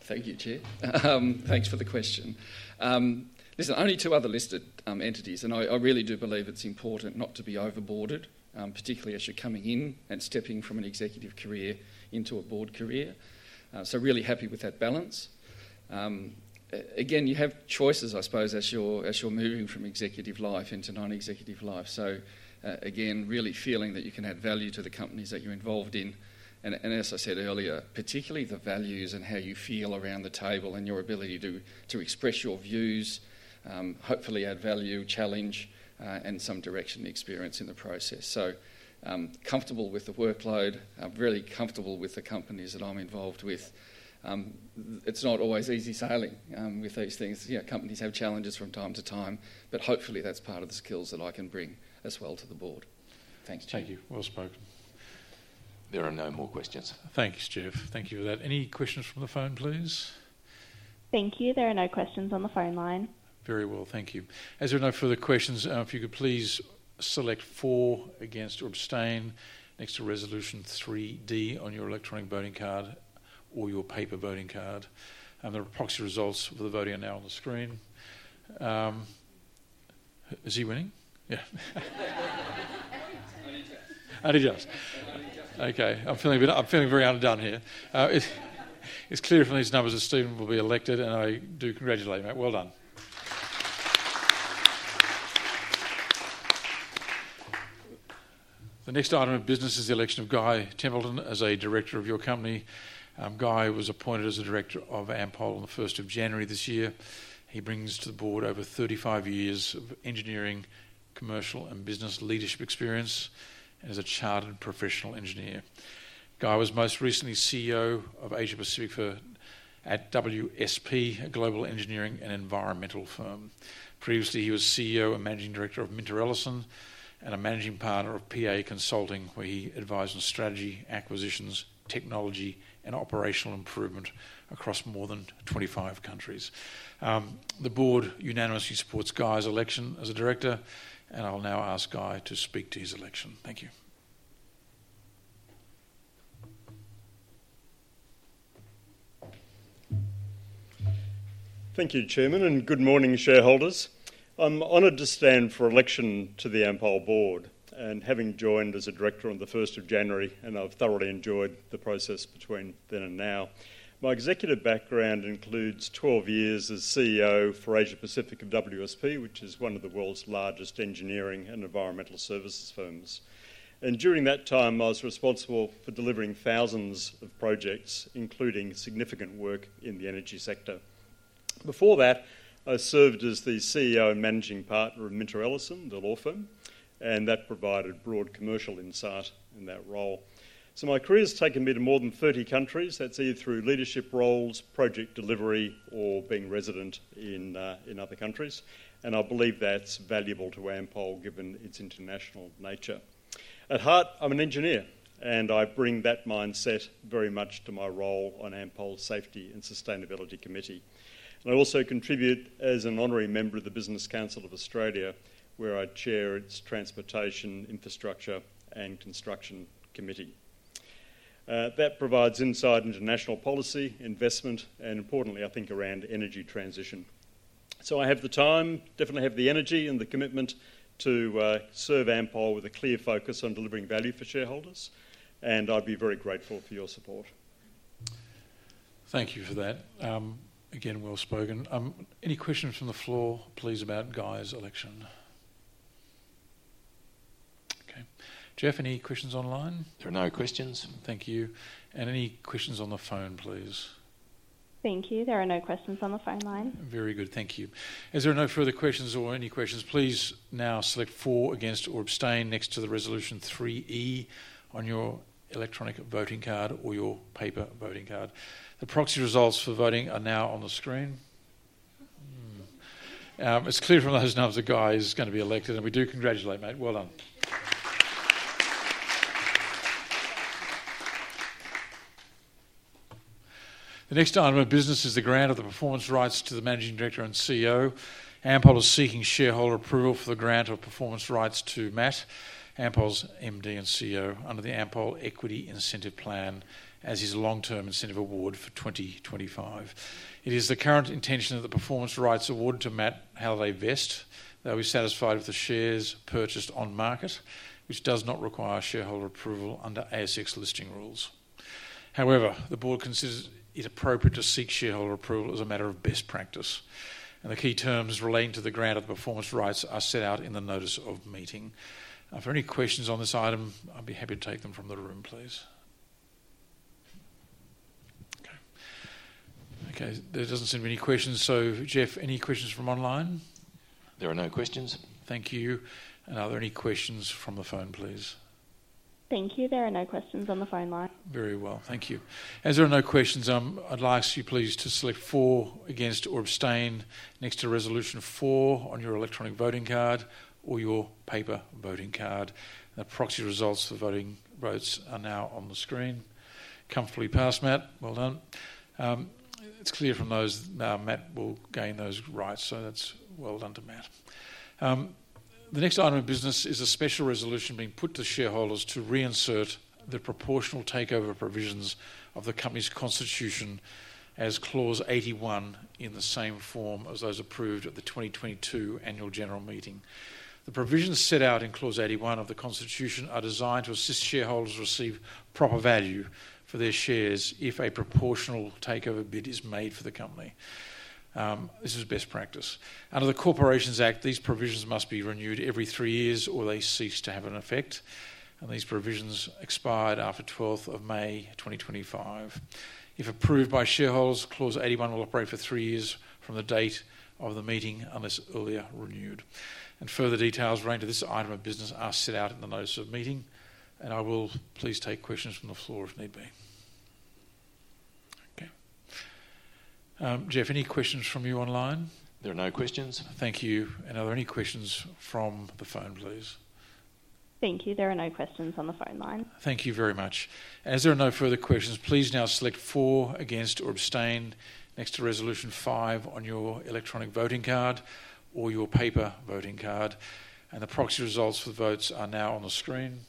Thank you, Chair. Thanks for the question. Listen, only two other listed entities, and I really do believe it's important not to be overboarded, particularly as you're coming in and stepping from an executive career into a board career. Really happy with that balance. Again, you have choices, I suppose, as you're moving from executive life into non-executive life. Again, really feeling that you can add value to the companies that you're involved in. As I said earlier, particularly the values and how you feel around the table and your ability to express your views, hopefully add value, challenge, and some direction and experience in the process. Comfortable with the workload, really comfortable with the companies that I'm involved with. It's not always easy sailing with these things. Companies have challenges from time to time, but hopefully that's part of the skills that I can bring as well to the board. Thanks, Chair. Thank you. Well spoken. There are no more questions. Thanks, Jeff. Thank you for that. Any questions from the phone, please? Thank you. There are no questions on the phone line. Very well. Thank you. As there are no further questions, if you could please select for, against, or abstain next to resolution 3D on your electronic voting card or your paper voting card. The proxy results for the voting are now on the screen. Is he winning? Yeah. I did just. I did just. Okay. I'm feeling very underdone here. It's clear from these numbers that Stephen will be elected, and I do congratulate him. Well done. The next item of business is the election of Guy Templeton as a director of your company. Guy was appointed as a director of Ampol on the 1st of January this year. He brings to the board over 35 years of engineering, commercial, and business leadership experience and is a chartered professional engineer. Guy was most recently CEO of Asia Pacific at WSP, a global engineering and environmental firm. Previously, he was CEO and managing director of Minter Ellison and a managing partner of PA Consulting, where he advised on strategy, acquisitions, technology, and operational improvement across more than 25 countries. The board unanimously supports Guy's election as a director, and I'll now ask Guy to speak to his election. Thank you. Thank you, Chairman, and good morning, shareholders. I'm honored to stand for election to the Ampol board and having joined as a director on the 1st of January, and I've thoroughly enjoyed the process between then and now. My executive background includes 12 years as CEO for Asia Pacific of WSP, which is one of the world's largest engineering and environmental services firms. During that time, I was responsible for delivering thousands of projects, including significant work in the energy sector. Before that, I served as the CEO and managing partner of Minter Ellison, the law firm, and that provided broad commercial insight in that role. My career has taken me to more than 30 countries. That's either through leadership roles, project delivery, or being resident in other countries. I believe that's valuable to Ampol given its international nature. At heart, I'm an engineer, and I bring that mindset very much to my role on Ampol's Safety and Sustainability Committee. I also contribute as an honorary member of the Business Council of Australia, where I chair its Transportation, Infrastructure, and Construction Committee. That provides insight into national policy, investment, and importantly, I think, around energy transition. I have the time, definitely have the energy and the commitment to serve Ampol with a clear focus on delivering value for shareholders, and I'd be very grateful for your support. Thank you for that. Again, well spoken. Any questions from the floor, please, about Guy's election? Okay. Jeff, any questions online? There are no questions. Thank you. Any questions on the phone, please? Thank you. There are no questions on the phone line. Very good. Thank you. As there are no further questions or any questions, please now select for, against, or abstain next to the resolution 3E on your electronic voting card or your paper voting card. The proxy results for voting are now on the screen. It's clear from those numbers that Guy is going to be elected, and we do congratulate, mate. Well done. The next item of business is the grant of the performance rights to the Managing Director and CEO. Ampol is seeking shareholder approval for the grant of performance rights to Matt, Ampol's MD and CEO, under the Ampol Equity Incentive Plan as his long-term incentive award for 2025. It is the current intention that the performance rights awarded to Matt Halliday vest, that we satisfy with the shares purchased on market, which does not require shareholder approval under ASX listing rules. However, the board considers it appropriate to seek shareholder approval as a matter of best practice. The key terms relating to the grant of the performance rights are set out in the notice of meeting. For any questions on this item, I'd be happy to take them from the room, please. Okay. There does not seem to be any questions. Jeff, any questions from online? There are no questions. Thank you. Are there any questions from the phone, please? Thank you. There are no questions on the phone line. Very well. Thank you. As there are no questions, I'd like you please to select for, against, or abstain next to resolution four on your electronic voting card or your paper voting card. The proxy results for voting votes are now on the screen. Comfortably passed, Matt. Well done. It's clear from those Matt will gain those rights. So that's well done to Matt. The next item of business is a special resolution being put to shareholders to reinsert the proportional takeover provisions of the company's constitution as clause 81 in the same form as those approved at the 2022 annual general meeting. The provisions set out in clause 81 of the constitution are designed to assist shareholders to receive proper value for their shares if a proportional takeover bid is made for the company. This is best practice. Under the Corporations Act, these provisions must be renewed every three years or they cease to have an effect. These provisions expire after 12th of May 2025. If approved by shareholders, clause 81 will operate for three years from the date of the meeting unless earlier renewed. Further details relating to this item of business are set out in the notice of meeting. I will please take questions from the floor if need be. Okay. Jeff, any questions from you online? There are no questions. Thank you. Are there any questions from the phone, please? Thank you. There are no questions on the phone line. Thank you very much. As there are no further questions, please now select for, against, or abstain next to resolution five on your electronic voting card or your paper voting card. The proxy results for votes are now on the screen.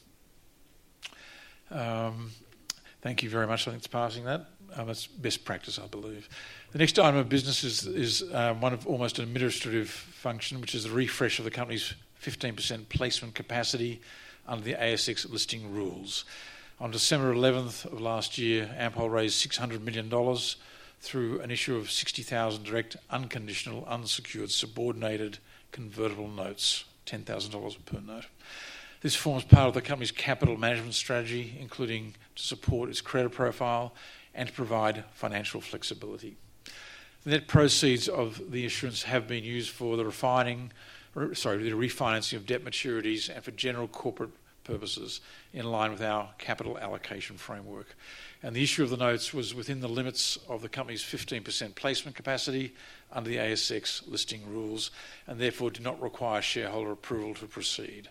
Thank you very much. I think it is passing that. That is best practice, I believe. The next item of business is one of almost an administrative function, which is the refresh of the company's 15% placement capacity under the ASX listing rules. On December 11 of last year, Ampol raised 600 million dollars through an issue of 60,000 direct unconditional unsecured subordinated convertible notes, 10,000 dollars per note. This forms part of the company's capital management strategy, including to support its credit profile and to provide financial flexibility. The net proceeds of the issuance have been used for the refinancing of debt maturities and for general corporate purposes in line with our capital allocation framework. The issue of the notes was within the limits of the company's 15% placement capacity under the ASX listing rules and therefore did not require shareholder approval to proceed.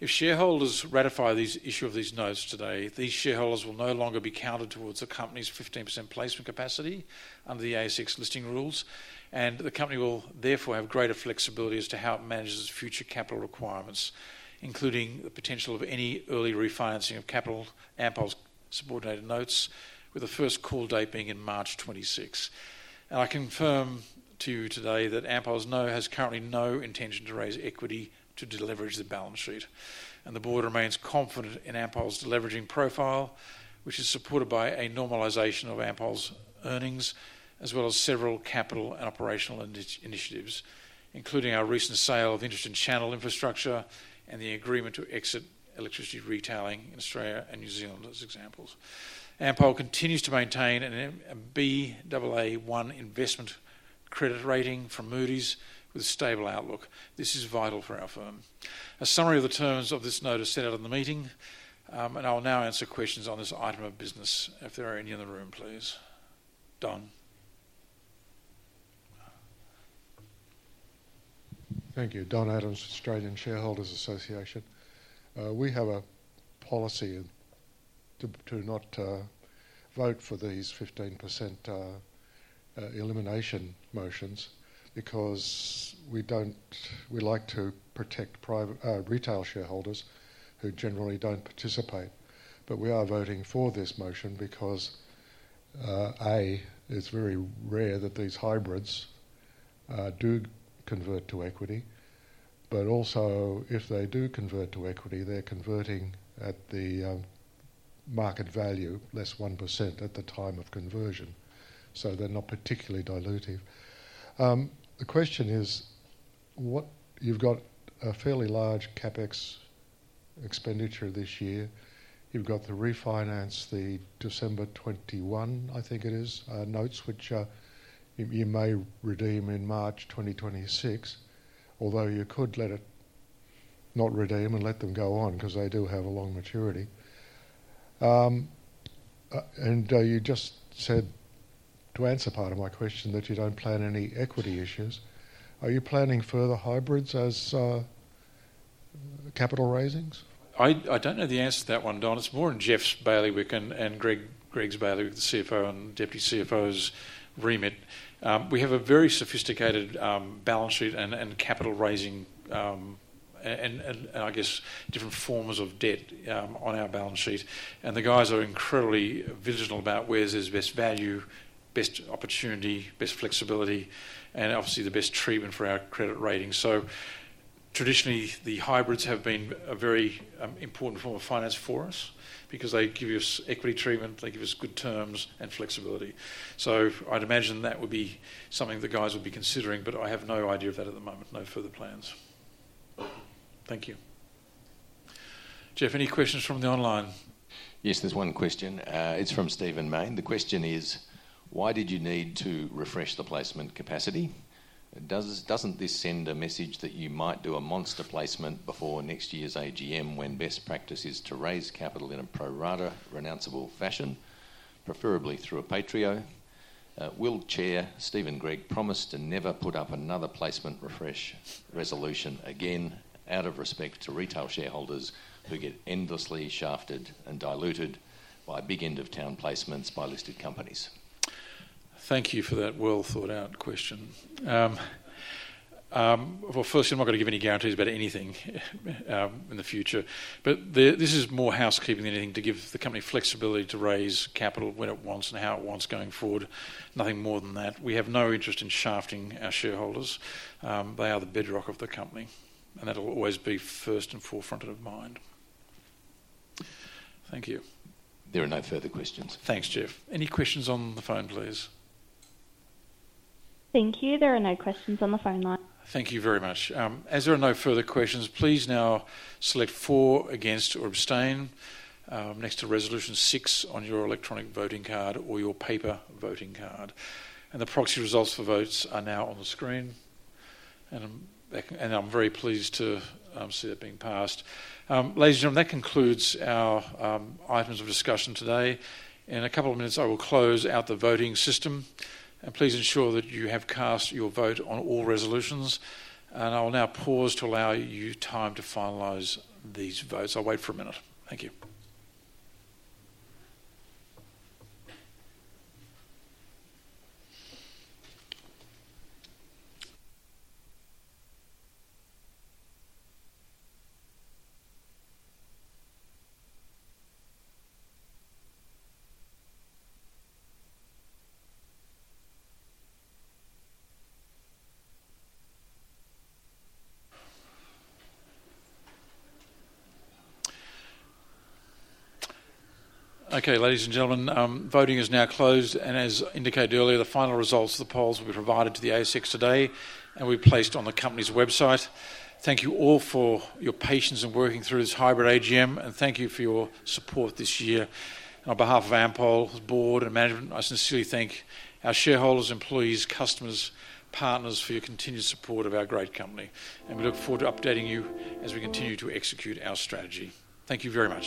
If shareholders ratify the issue of these notes today, these shareholders will no longer be counted towards the company's 15% placement capacity under the ASX listing rules, and the company will therefore have greater flexibility as to how it manages its future capital requirements, including the potential of any early refinancing of capital Ampol's subordinated notes, with the first call date being in March 2026. I confirm to you today that Ampol has currently no intention to raise equity to leverage the balance sheet. The board remains confident in Ampol's leveraging profile, which is supported by a normalization of Ampol's earnings, as well as several capital and operational initiatives, including our recent sale of interest in Channel Infrastructure and the agreement to exit electricity retailing in Australia and New Zealand as examples. Ampol continues to maintain a BAA1 investment credit rating from Moody's with a stable outlook. This is vital for our firm. A summary of the terms of this note is set out in the meeting, and I'll now answer questions on this item of business. If there are any in the room, please. Done. Thank you. Don Adams, Australian Shareholders Association. We have a policy to not vote for these 15% elimination motions because we like to protect retail shareholders who generally don't participate. We are voting for this motion because, A, it's very rare that these hybrids do convert to equity. Also, if they do convert to equity, they're converting at the market value, less 1% at the time of conversion. They're not particularly dilutive. The question is, you've got a fairly large CapEx expenditure this year. You've got the refinance, the December 2021, I think it is, notes, which you may redeem in March 2026, although you could let it not redeem and let them go on because they do have a long maturity. You just said, to answer part of my question, that you don't plan any equity issues. Are you planning further hybrids as capital raisings? I don't know the answer to that one, Don. It's more in Jeff's bailiwick and Greg's bailiwick, the CFO and Deputy CFO's remit. We have a very sophisticated balance sheet and capital raising, and I guess different forms of debt on our balance sheet. The guys are incredibly vigilant about where there's best value, best opportunity, best flexibility, and obviously the best treatment for our credit rating. Traditionally, the hybrids have been a very important form of finance for us because they give us equity treatment, they give us good terms and flexibility. I'd imagine that would be something the guys would be considering, but I have no idea of that at the moment. No further plans. Thank you. Jeff, any questions from the online? Yes, there's one question. It's from Stephen Mayne. The question is, why did you need to refresh the placement capacity? Doesn't this send a message that you might do a monster placement before next year's AGM when best practice is to raise capital in a pro rata renounceable fashion, preferably through a Patrio? Will Chair Stephen Gregg promise to never put up another placement refresh resolution again out of respect to retail shareholders who get endlessly shafted and diluted by big end-of-town placements by listed companies? Thank you for that well thought-out question. Firstly, I'm not going to give any guarantees about anything in the future. This is more housekeeping than anything to give the company flexibility to raise capital when it wants and how it wants going forward. Nothing more than that. We have no interest in shafting our shareholders. They are the bedrock of the company. That'll always be first and forefront of mind. Thank you. There are no further questions. Thanks, Jeff. Any questions on the phone, please? Thank you. There are no questions on the phone line. Thank you very much. As there are no further questions, please now select for, against, or abstain next to resolution six on your electronic voting card or your paper voting card. The proxy results for votes are now on the screen. I am very pleased to see that being passed. Ladies and gentlemen, that concludes our items of discussion today. In a couple of minutes, I will close out the voting system. Please ensure that you have cast your vote on all resolutions. I will now pause to allow you time to finalize these votes. I'll wait for a minute. Thank you. Okay, ladies and gentlemen, voting is now closed. As indicated earlier, the final results of the polls will be provided to the ASX today and will be placed on the company's website. Thank you all for your patience in working through this hybrid AGM. Thank you for your support this year. On behalf of Ampol's board and management, I sincerely thank our shareholders, employees, customers, and partners for your continued support of our great company. We look forward to updating you as we continue to execute our strategy. Thank you very much.